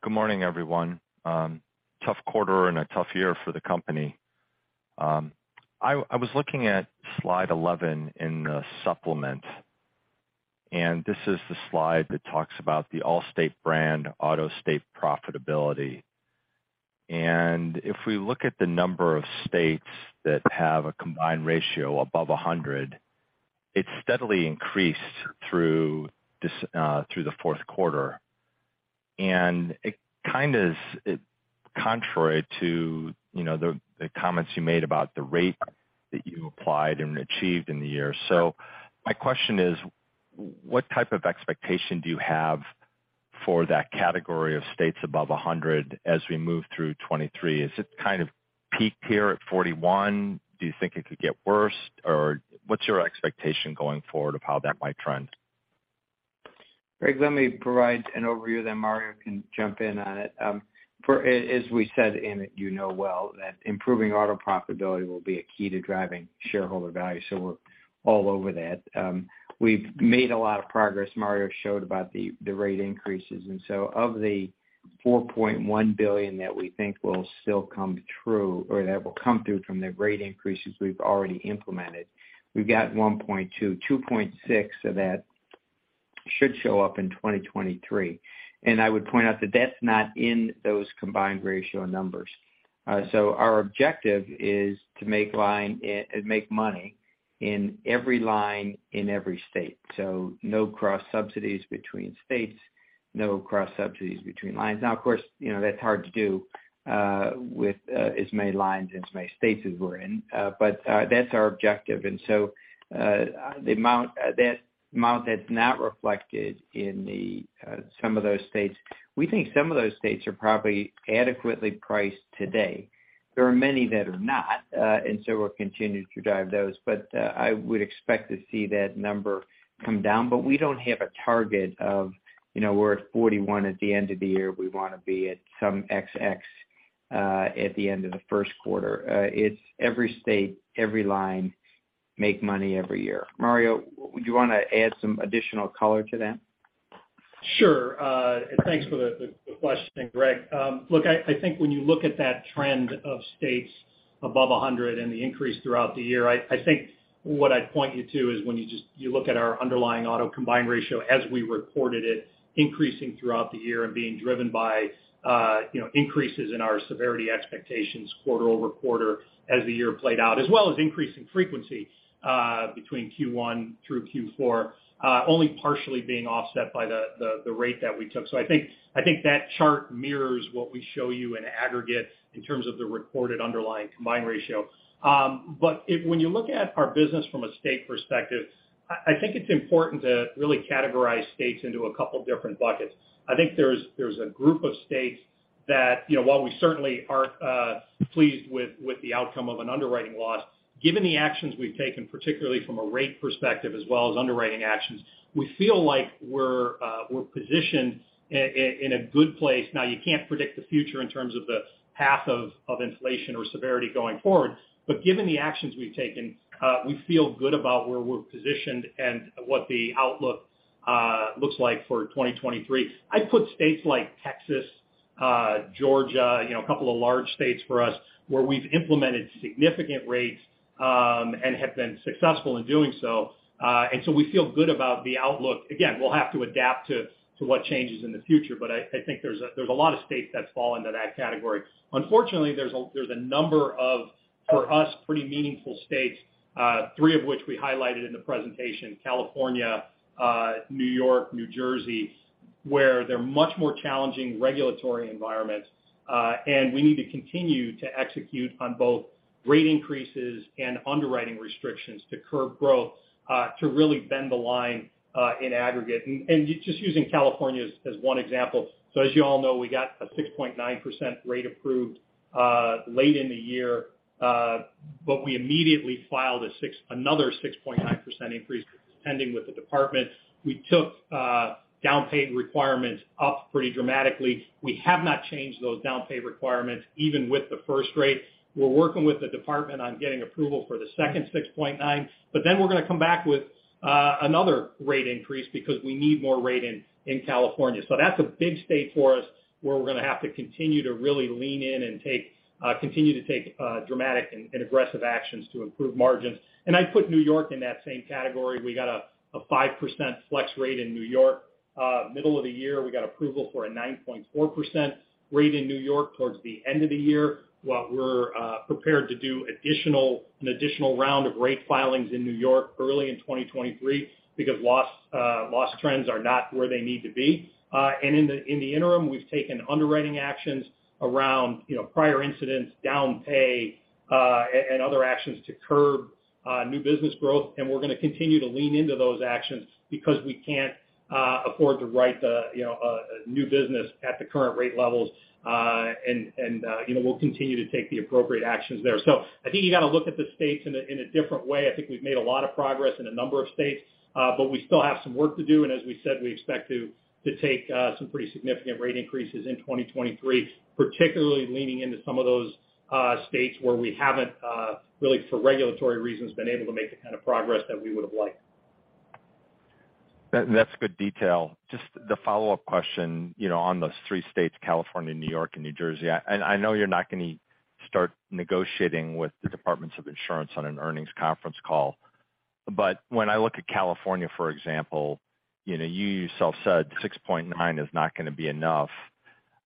Good morning, everyone. Tough quarter and a tough year for the company. I was looking at slide 11 in the supplement, this is the slide that talks about the Allstate brand auto state profitability. If we look at the number of states that have a combined ratio above 100, it steadily increased through the fourth quarter. It kind of is, contrary to, you know, the comments you made about the rate that you applied and achieved in the year. My question is, what type of expectation do you have for that category of states above 100 as we move through 23? Is it kind of peaked here at 41? Do you think it could get worse? What's your expectation going forward of how that might trend? Greg, let me provide an overview, then Mario can jump in on it. As we said, and you know well, that improving auto profitability will be a key to driving shareholder value. We're all over that. We've made a lot of progress, Mario showed about the rate increases. Of the $4.1 billion that we think will still come through or that will come through from the rate increases we've already implemented, we've got $1.2 billion. $2.6 billion of that should show up in 2023. I would point out that that's not in those combined ratio numbers. Our objective is to make money in every line in every state. No cross subsidies between states, no cross subsidies between lines. Of course, you know that's hard to do with as many lines, as many states as we're in. That's our objective. The amount, that amount that's not reflected in the some of those states, we think some of those states are probably adequately priced today. There are many that are not, we'll continue to drive those. I would expect to see that number come down. We don't have a target of, you know, we're at 41 at the end of the year, we want to be at some XX at the end of the first quarter. It's every state, every line, make money every year. Mario, would you wanna add some additional color to that? Sure. Thanks for the question, Greg. Look, I think when you look at that trend of states above 100 and the increase throughout the year, I think what I'd point you to is when you look at our underlying auto combined ratio as we reported it, increasing throughout the year and being driven by, you know, increases in our severity expectations quarter-over-quarter as the year played out. As well as increasing frequency between Q1 through Q4, only partially being offset by the rate that we took. I think that chart mirrors what we show you in aggregate in terms of the reported underlying combined ratio. When you look at our business from a state perspective, I think it's important to really categorize states into a couple different buckets. I think there's a group of states that, you know, while we certainly aren't pleased with the outcome of an underwriting loss, given the actions we've taken, particularly from a rate perspective as well as underwriting actions, we feel like we're positioned in a good place. Now, you can't predict the future in terms of the path of inflation or severity going forward. Given the actions we've taken, we feel good about where we're positioned and what the outlook looks like for 2023. I put states like Texas, Georgia, you know, a couple of large states for us, where we've implemented significant rates and have been successful in doing so. We feel good about the outlook. Again, we'll have to adapt to what changes in the future, but I think there's a lot of states that fall into that category. Unfortunately, there's a number of, for us, pretty meaningful states, three of which we highlighted in the presentation, California, New York, New Jersey, where they're much more challenging regulatory environments. We need to continue to execute on both rate increases and underwriting restrictions to curb growth, to really bend the line in aggregate. Just using California as one example. As you all know, we got a 6.9% rate approved late in the year. We immediately filed another 6.9% increase that's pending with the Department. We took down payment requirements up pretty dramatically. We have not changed those down payment requirements even with the first rate. We're working with the Department on getting approval for the second 6.9%, we're gonna come back with another rate increase because we need more rate in California. That's a big state for us, where we're gonna have to continue to really lean in and take continue to take dramatic and aggressive actions to improve margins. I'd put New York in that same category. We got a 5% flex rate in New York. Middle of the year, we got approval for a 9.4% rate in New York towards the end of the year. What we're prepared to do an additional round of rate filings in New York early in 2023 because loss trends are not where they need to be. In the interim, we've taken underwriting actions around, you know, prior incidents, down pay and other actions to curb new business growth. We're gonna continue to lean into those actions because we can't afford to write the, you know, new business at the current rate levels. You know, we'll continue to take the appropriate actions there. I think you got to look at the states in a different way. I think we've made a lot of progress in a number of states, but we still have some work to do. As we said, we expect to take some pretty significant rate increases in 2023, particularly leaning into some of those states where we haven't really, for regulatory reasons, been able to make the kind of progress that we would have liked. That's good detail. Just the follow-up question, you know, on those three states, California, New York and New Jersey. I know you're not gonna start negotiating with the Departments of Insurance on an earnings conference call. When I look at California, for example, you know, you yourself said 6.9% is not gonna be enough.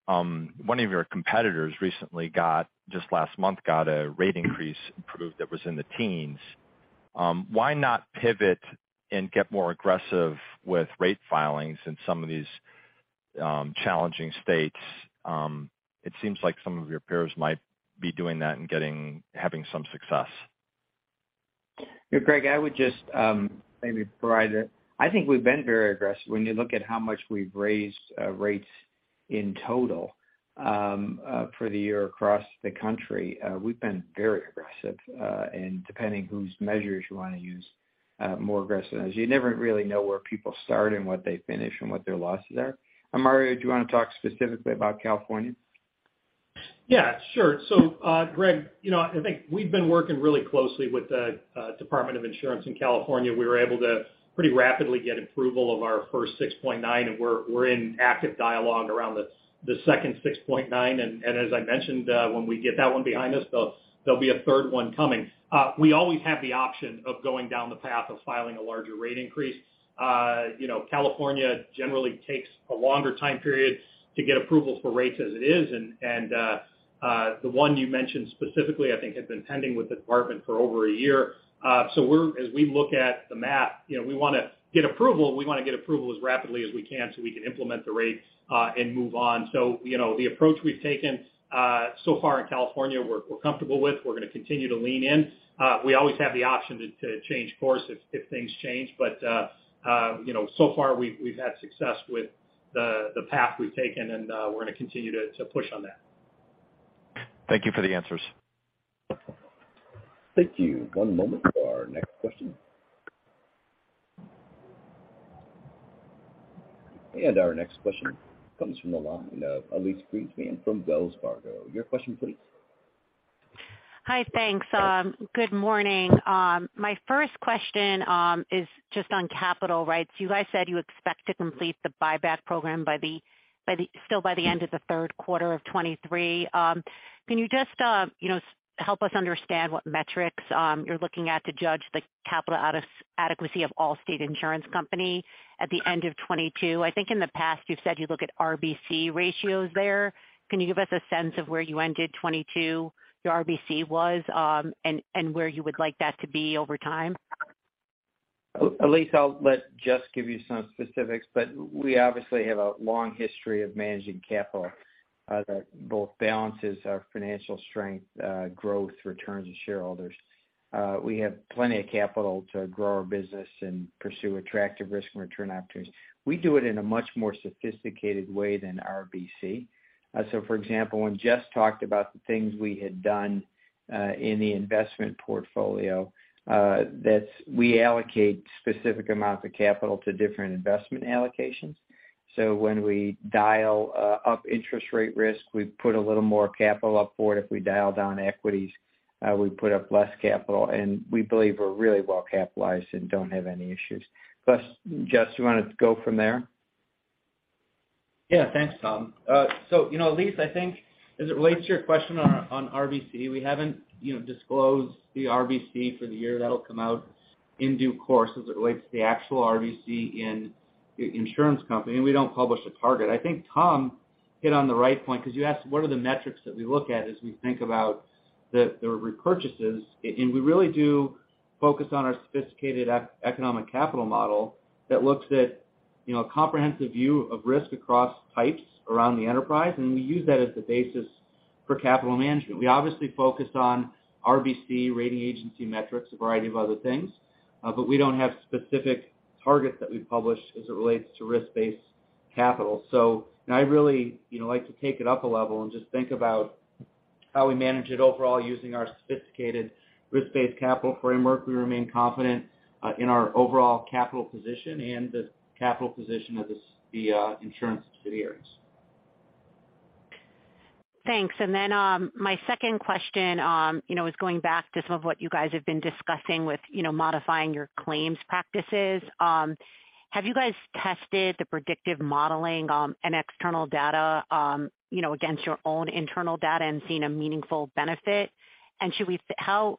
One of your competitors recently got, just last month, got a rate increase approved that was in the teens. Why not pivot and get more aggressive with rate filings in some of these challenging states? It seems like some of your peers might be doing that and having some success. Greg, I would just maybe provide that. I think we've been very aggressive when you look at how much we've raised rates in total for the year across the country. We've been very aggressive, and depending on whose measures you wanna use, more aggressive. You never really know where people start and what they finish and what their losses are. Mario, do you want to talk specifically about California? Yeah, sure. Greg, you know, I think we've been working really closely with the Department of Insurance in California. We were able to pretty rapidly get approval of our first 6.9%, and we're in active dialogue around the second 6.9%. As I mentioned, when we get that one behind us, there'll be a third one coming. We always have the option of going down the path of filing a larger rate increase. You know, California generally takes a longer time period to get approvals for rates as it is, and the one you mentioned specifically, I think has been pending with the Department for over a year. As we look at the map, you know, we wanna get approval, we wanna get approval as rapidly as we can so we can implement the rates and move on. You know, the approach we've taken so far in California, we're comfortable with. We're gonna continue to lean in. We always have the option to change course if things change. You know, so far we've had success with the path we've taken, and we're gonna continue to push on that. Thank you for the answers. Thank you. One moment for our next question. Our next question comes from the line of Elyse Greenspan from Wells Fargo. Your question please. Hi. Thanks. Good morning. My first question is just on capital rights. You guys said you expect to complete the buyback program by the still by the end of the third quarter of 2023. Can you just, you know, help us understand what metrics you're looking at to judge the capital adequacy of Allstate Insurance Company at the end of 2022? I think in the past you've said you look at RBC ratios there. Can you give us a sense of where you ended 2022, your RBC was, and where you would like that to be over time? Elyse, I'll let Jess give you some specifics, we obviously have a long history of managing capital that both balances our financial strength, growth, returns to shareholders. We have plenty of capital to grow our business and pursue attractive risk and return opportunities. We do it in a much more sophisticated way than RBC. For example, when Jess talked about the things we had done in the investment portfolio, that's we allocate specific amounts of capital to different investment allocations. When we dial up interest rate risk, we put a little more capital up for it. If we dial down equities, we put up less capital, and we believe we're really well capitalized and don't have any issues. Jess, you want to go from there? Yeah. Thanks, Tom. You know, Elyse, I think as it relates to your question on RBC, we haven't, you know, disclosed the RBC for the year. That'll come out in due course as it relates to the actual RBC in insurance company. We don't publish a target. I think Tom hit on the right point 'cause you asked what are the metrics that we look at as we think about the repurchases, and we really do focus on our sophisticated economic capital model that looks at, you know, a comprehensive view of risk across types around the enterprise, and we use that as the basis for capital management. We obviously focus on RBC rating agency metrics, a variety of other things, but we don't have specific targets that we publish as it relates to risk-based capital. I really, you know, like to take it up a level and just think about how we manage it overall using our sophisticated risk-based capital framework. We remain confident in our overall capital position and the capital position of the insurance subsidiaries. Thanks. My second question, you know, is going back to some of what you guys have been discussing with, you know, modifying your claims practices. Have you guys tested the predictive modeling, and external data, you know, against your own internal data and seen a meaningful benefit? How,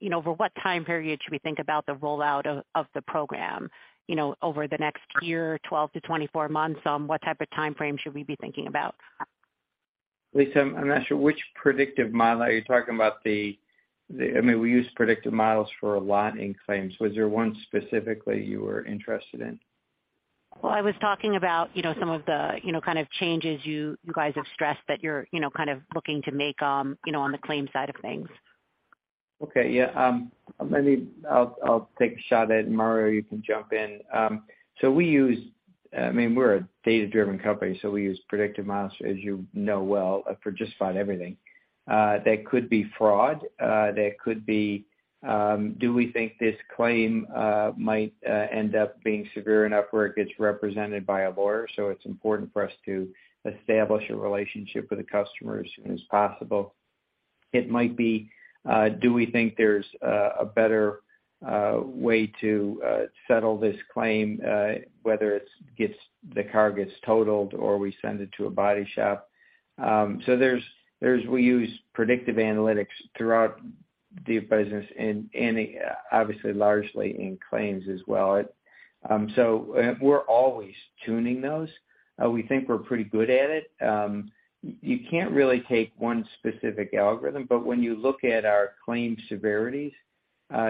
you know, over what time period should we think about the rollout of the program, you know, over the next year, 12-24 months? What type of time frame should we be thinking about? Lisa, I'm not sure which predictive model. Are you talking about the I mean, we use predictive models for a lot in claims? Was there one specifically you were interested in? Well, I was talking about, you know, some of the, you know, kind of changes you guys have stressed that you're, you know, kind of looking to make, you know, on the claims side of things. Okay. Yeah. I'll take a shot at it, and Mario, you can jump in. We use, I mean, we're a data-driven company, we use predictive models, as you know well, for just about everything. That could be fraud, that could be, do we think this claim might end up being severe enough where it gets represented by a lawyer? It's important for us to establish a relationship with the customer as soon as possible. It might be, do we think there's a better way to settle this claim, whether the car gets totaled or we send it to a body shop. We use predictive analytics throughout the business and obviously largely in claims as well. We're always tuning those. We think we're pretty good at it. You can't really take 1 specific algorithm, but when you look at our claim severities,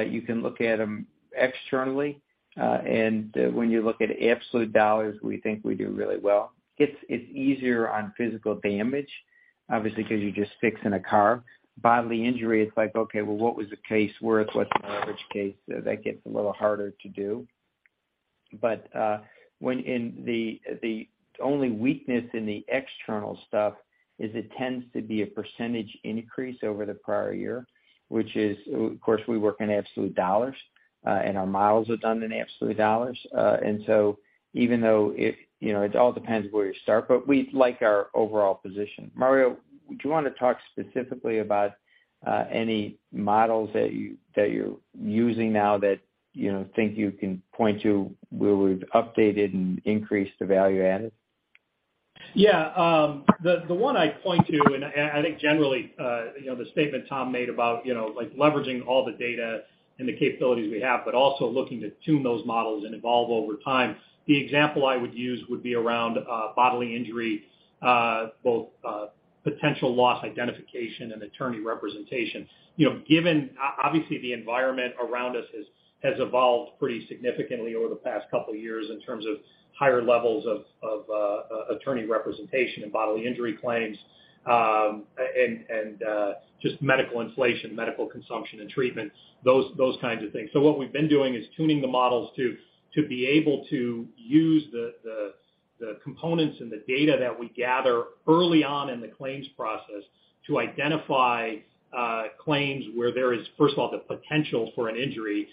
you can look at them externally. When you look at absolute dollars, we think we do really well. It's, it's easier on physical damage, obviously, because you're just fixing a car. Bodily injury, it's like, okay, well, what was the case worth? What's an average case? That gets a little harder to do. When in the only weakness in the external stuff is it tends to be a % increase over the prior year, which is, of course, we work in absolute dollars, and our models are done in absolute dollars. Even though it, you know, it all depends where you start, but we like our overall position. Mario, would you want to talk specifically about any models that you're using now that, you know, think you can point to where we've updated and increased the value added? Yeah. The one I'd point to, I think generally, you know, the statement Tom made about, you know, like leveraging all the data and the capabilities we have, but also looking to tune those models and evolve over time. The example I would use would be around bodily injury, both potential loss identification and attorney representation. You know, given obviously, the environment around us has evolved pretty significantly over the past couple of years in terms of higher levels of attorney representation and bodily injury claims, and just medical inflation, medical consumption and treatments, those kinds of things. What we've been doing is tuning the models to be able to use the components and the data that we gather early on in the claims process to identify claims where there is, first of all, the potential for an injury,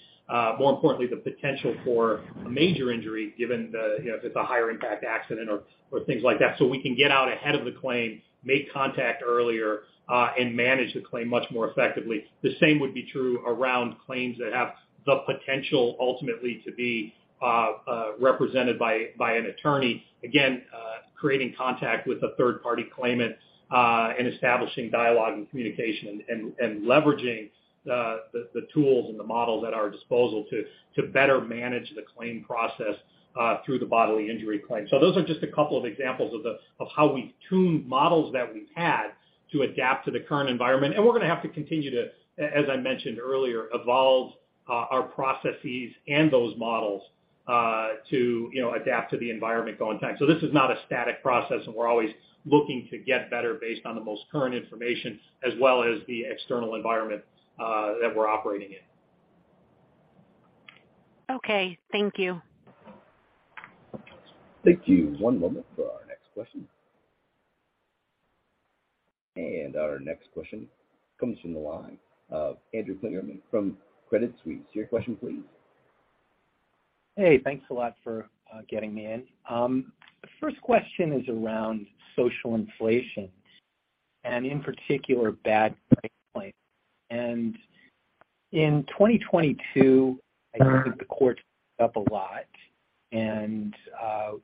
more importantly, the potential for a major injury given, you know, if it's a higher impact accident or things like that. We can get out ahead of the claim, make contact earlier, and manage the claim much more effectively. The same would be true around claims that have the potential ultimately to be represented by an attorney. Again, creating contact with the third party claimant, and establishing dialogue and communication and leveraging the tools and the models at our disposal to better manage the claim process through the bodily injury claim. Those are just a couple of examples of how we've tuned models that we've had to adapt to the current environment. We're going to have to continue to, as I mentioned earlier, evolve, our processes and those models to, you know, adapt to the environment going forward. This is not a static process, and we're always looking to get better based on the most current information as well as the external environment that we're operating in. Okay. Thank you. Thank you. One moment for our next question. Our next question comes from the line of Andrew Kligerman from Credit Suisse. Your question, please. Hey, thanks a lot for getting me in. The first question is around social inflation and in particular. In 2022, I think the courts up a lot.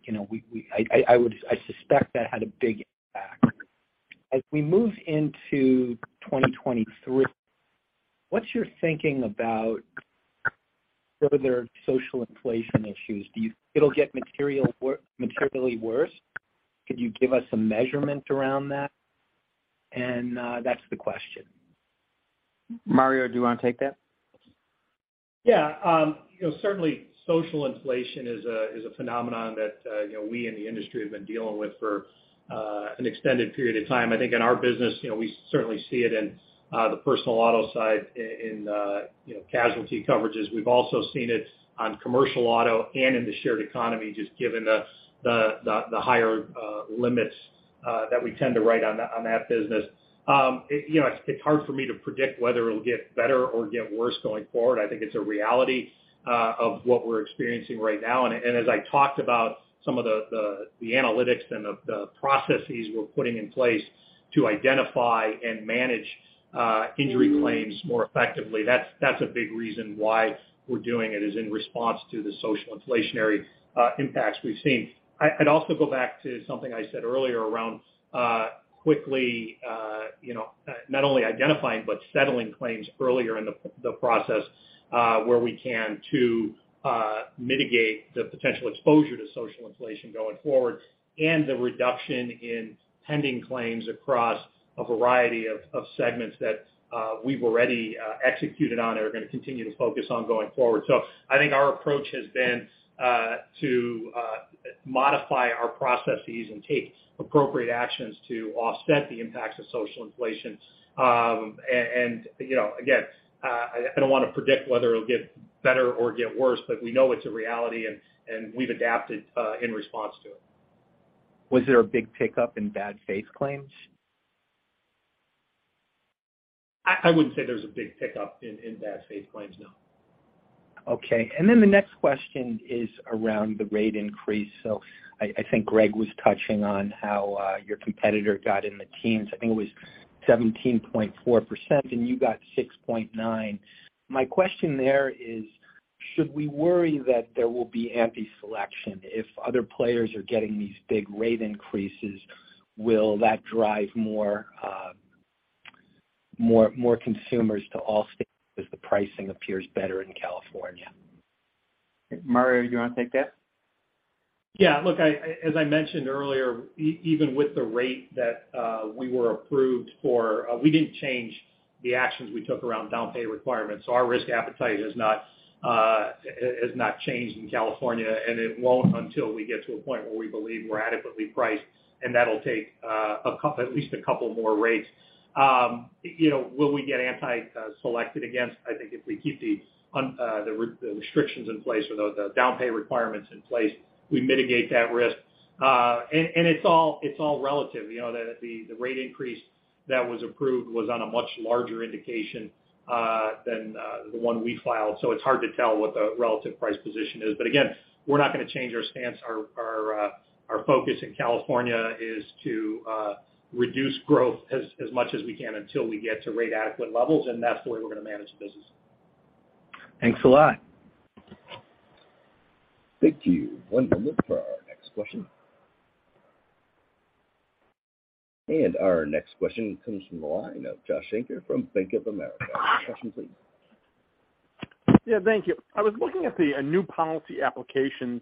you know, I suspect that had a big impact. As we move into 2023, what's your thinking about further social inflation issues? it'll get materially worse. Could you give us some measurement around that? that's the question. Mario, do you want to take that? Yeah. you know, certainly social inflation is a phenomenon that, you know, we in the industry have been dealing with for an extended period of time. I think in our business, you know, we certainly see it in the personal auto side in, you know, casualty coverages. We've also seen it on commercial auto and in the sharing economy, just given the higher limits that we tend to write on that business. you know, it's hard for me to predict whether it'll get better or get worse going forward. I think it's a reality of what we're experiencing right now. As I talked about some of the analytics and the processes we're putting in place to identify and manage injury claims more effectively, that's a big reason why we're doing it, is in response to the social inflationary impacts we've seen. I'd also go back to something I said earlier around quickly, you know, not only identifying, but settling claims earlier in the process where we can to mitigate the potential exposure to social inflation going forward and the reduction in pending claims across a variety of segments that we've already executed on and are gonna continue to focus on going forward. I think our approach has been to modify our processes and take appropriate actions to offset the impacts of social inflation. You know, again, I don't wanna predict whether it'll get better or get worse, but we know it's a reality and we've adapted in response to it. Was there a big pickup in bad faith claims? I wouldn't say there's a big pickup in bad faith claims, no. The next question is around the rate increase. I think Greg was touching on how your competitor got in the teens. I think it was 17.4% and you got 6.9%. My question there is, should we worry that there will be anti-selection if other players are getting these big rate increases, will that drive more consumers to Allstate as the pricing appears better in California? Mario, do you wanna take that? As I mentioned earlier, even with the rate that we were approved for, we didn't change the actions we took around down pay requirements. Our risk appetite has not changed in California, and it won't until we get to a point where we believe we're adequately priced, and that'll take at least a couple more rates. You know, will we get anti selected against? I think if we keep the restrictions in place or the down pay requirements in place, we mitigate that risk. It's all relative. You know, the rate increase that was approved was on a much larger indication than the one we filed. It's hard to tell what the relative price position is. Again, we're not gonna change our stance. Our focus in California is to reduce growth as much as we can until we get to rate adequate levels, and that's the way we're gonna manage the business. Thanks a lot. Thank you. One moment for our next question. Our next question comes from the line of Josh Shanker from Bank of America. Question please. Yeah, thank you. I was looking at a new policy application,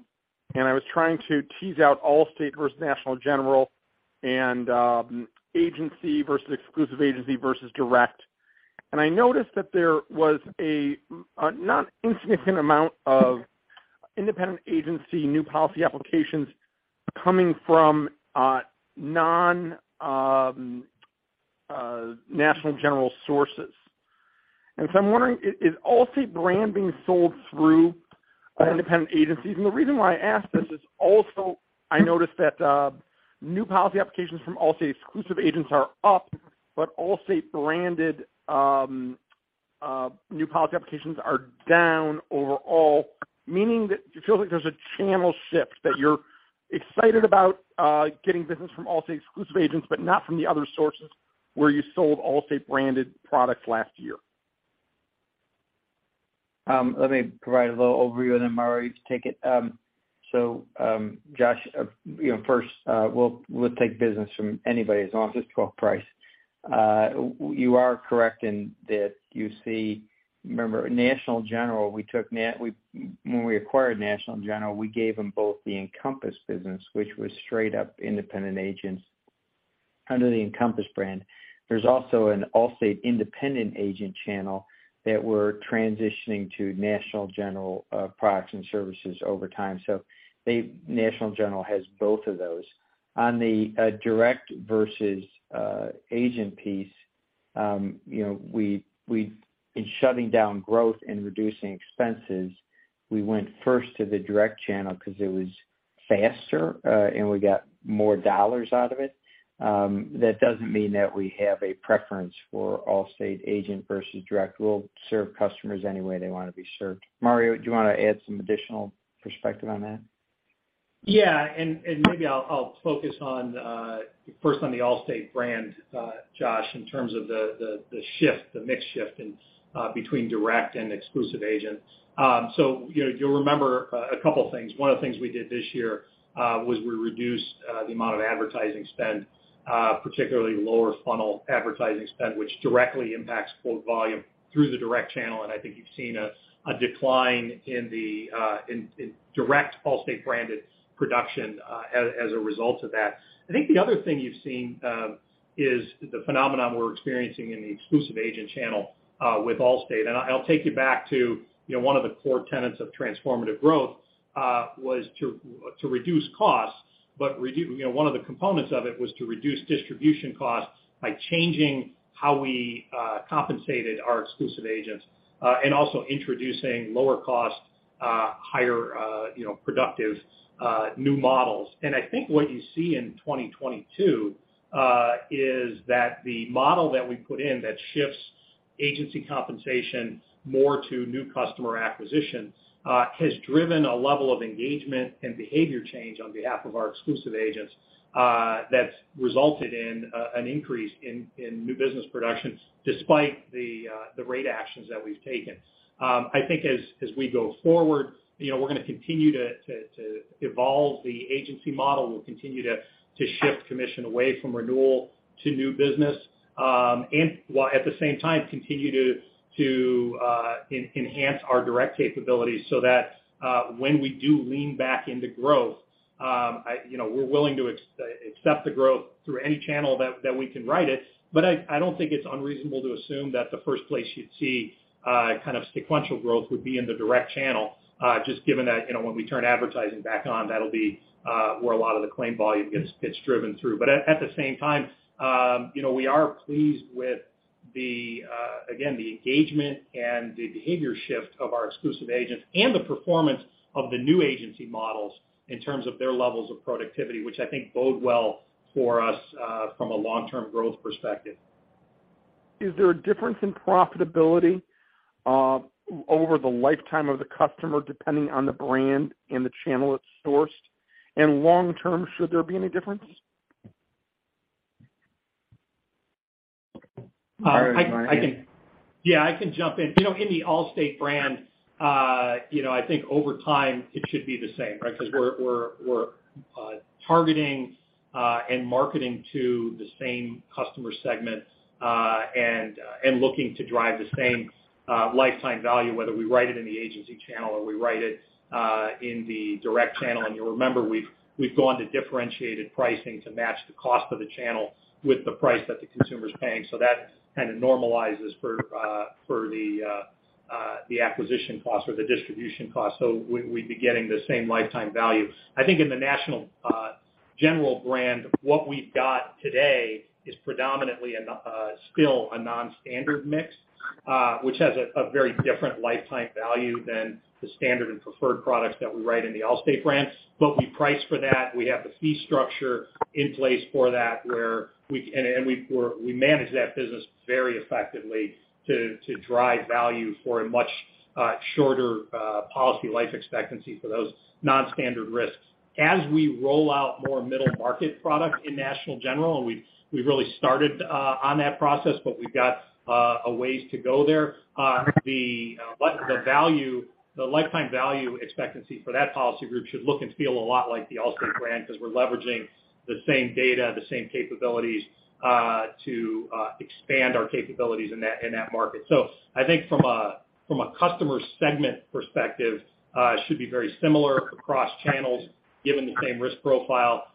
and I was trying to tease out Allstate versus National General and agency versus exclusive agency versus direct. I noticed that there was a not insignificant amount of independent agency new policy applications coming from non National General sources. I'm wondering, is Allstate brand being sold through independent agencies? The reason why I ask this is also I noticed that new policy applications from Allstate exclusive agents are up, but Allstate branded new policy applications are down overall, meaning that it feels like there's a channel shift that you're excited about getting business from Allstate exclusive agents, but not from the other sources where you sold Allstate branded products last year. Let me provide a little overview and then Mario, you take it. Josh, you know, first, we'll take business from anybody as long as it's 12 price. You are correct in that you see... Remember, National General, we took When we acquired National General, we gave them both the Encompass business, which was straight up independent agents under the Encompass brand. There's also an Allstate independent agent channel that we're transitioning to National General products and services over time. National General has both of those. On the direct versus agent piece, you know, we've been shutting down growth and reducing expenses. We went first to the direct channel 'cause it was faster, and we got more dollars out of it. That doesn't mean that we have a preference for Allstate agent versus direct. We'll serve customers any way they wanna be served. Mario, do you wanna add some additional perspective on that? Yeah. Maybe I'll focus on first on the Allstate brand, Josh, in terms of the shift, the mix shift in between direct and exclusive agent. You know, you'll remember a couple of things. One of the things we did this year was we reduced the amount of advertising spend, particularly lower funnel advertising spend, which directly impacts quote volume through the direct channel, and I think you've seen a decline in direct Allstate branded production as a result of that. I think the other thing you've seen is the phenomenon we're experiencing in the exclusive agent channel with Allstate. I'll take you back to, you know, one of the core tenets of transformative growth was to reduce costs, but you know, one of the components of it was to reduce distribution costs by changing how we compensated our exclusive agents and also introducing lower cost, higher, you know, productive new models. I think what you see in 2022 is that the model that we put in that shifts agency compensation more to new customer acquisition has driven a level of engagement and behavior change on behalf of our exclusive agents that's resulted in an increase in new business productions despite the rate actions that we've taken. I think as we go forward, you know, we're gonna continue to evolve the agency model. We'll continue to shift commission away from renewal to new business, and while at the same time continue to enhance our direct capabilities so that when we do lean back into growth, you know, we're willing to accept the growth through any channel that we can write it. I don't think it's unreasonable to assume that the first place you'd see kind of sequential growth would be in the direct channel, just given that, you know, when we turn advertising back on, that'll be where a lot of the claim volume gets driven through. At the same time, you know, we are pleased with the again, the engagement and the behavior shift of our exclusive agents and the performance of the new agency models in terms of their levels of productivity, which I think bode well for us from a long-term growth perspective. Is there a difference in profitability, over the lifetime of the customer, depending on the brand and the channel it's sourced? Long term, should there be any difference? I can jump in. You know, in the Allstate brand, you know, I think over time it should be the same, right? 'Cause we're targeting and marketing to the same customer segments and looking to drive the same lifetime value, whether we write it in the agency channel or we write it in the direct channel. You'll remember, we've gone to differentiated pricing to match the cost of the channel with the price that the consumer's paying. So that kind of normalizes for the acquisition cost or the distribution cost. So we'd be getting the same lifetime value. I think in the National General brand, what we've got today is predominantly a still a non-standard mix, which has a very different lifetime value than the standard and preferred products that we write in the Allstate brands. We price for that. We have the fee structure in place for that, we manage that business very effectively to drive value for a much shorter policy life expectancy for those non-standard risks. As we roll out more middle market product in National General, we've really started on that process, we've got a ways to go there. The value, the lifetime value expectancy for that policy group should look and feel a lot like the Allstate brand 'cause we're leveraging the same data, the same capabilities, to expand our capabilities in that, in that market. I think from a customer segment perspective, it should be very similar across channels, given the same risk profile,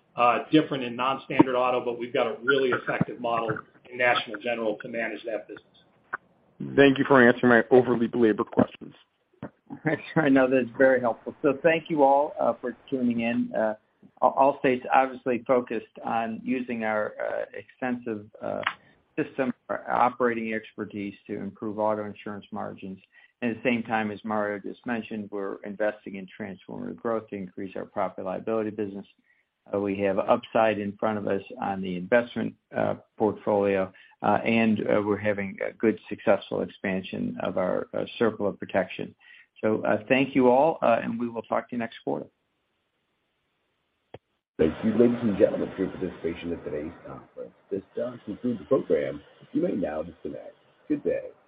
different in non-standard auto, but we've got a really effective model in National General to manage that business. Thank you for answering my overly belabored questions. I know that's very helpful. Thank you all for tuning in. Allstate's obviously focused on using our extensive system or operating expertise to improve auto insurance margins. At the same time, as Mario just mentioned, we're investing in transformative growth to increase our profit liability business. We have upside in front of us on the investment portfolio, and we're having a good successful expansion of our circle of protection. Thank you all, and we will talk to you next quarter. Thank you, ladies and gentlemen, for your participation in today's conference. This does conclude the program. You may now disconnect. Good day.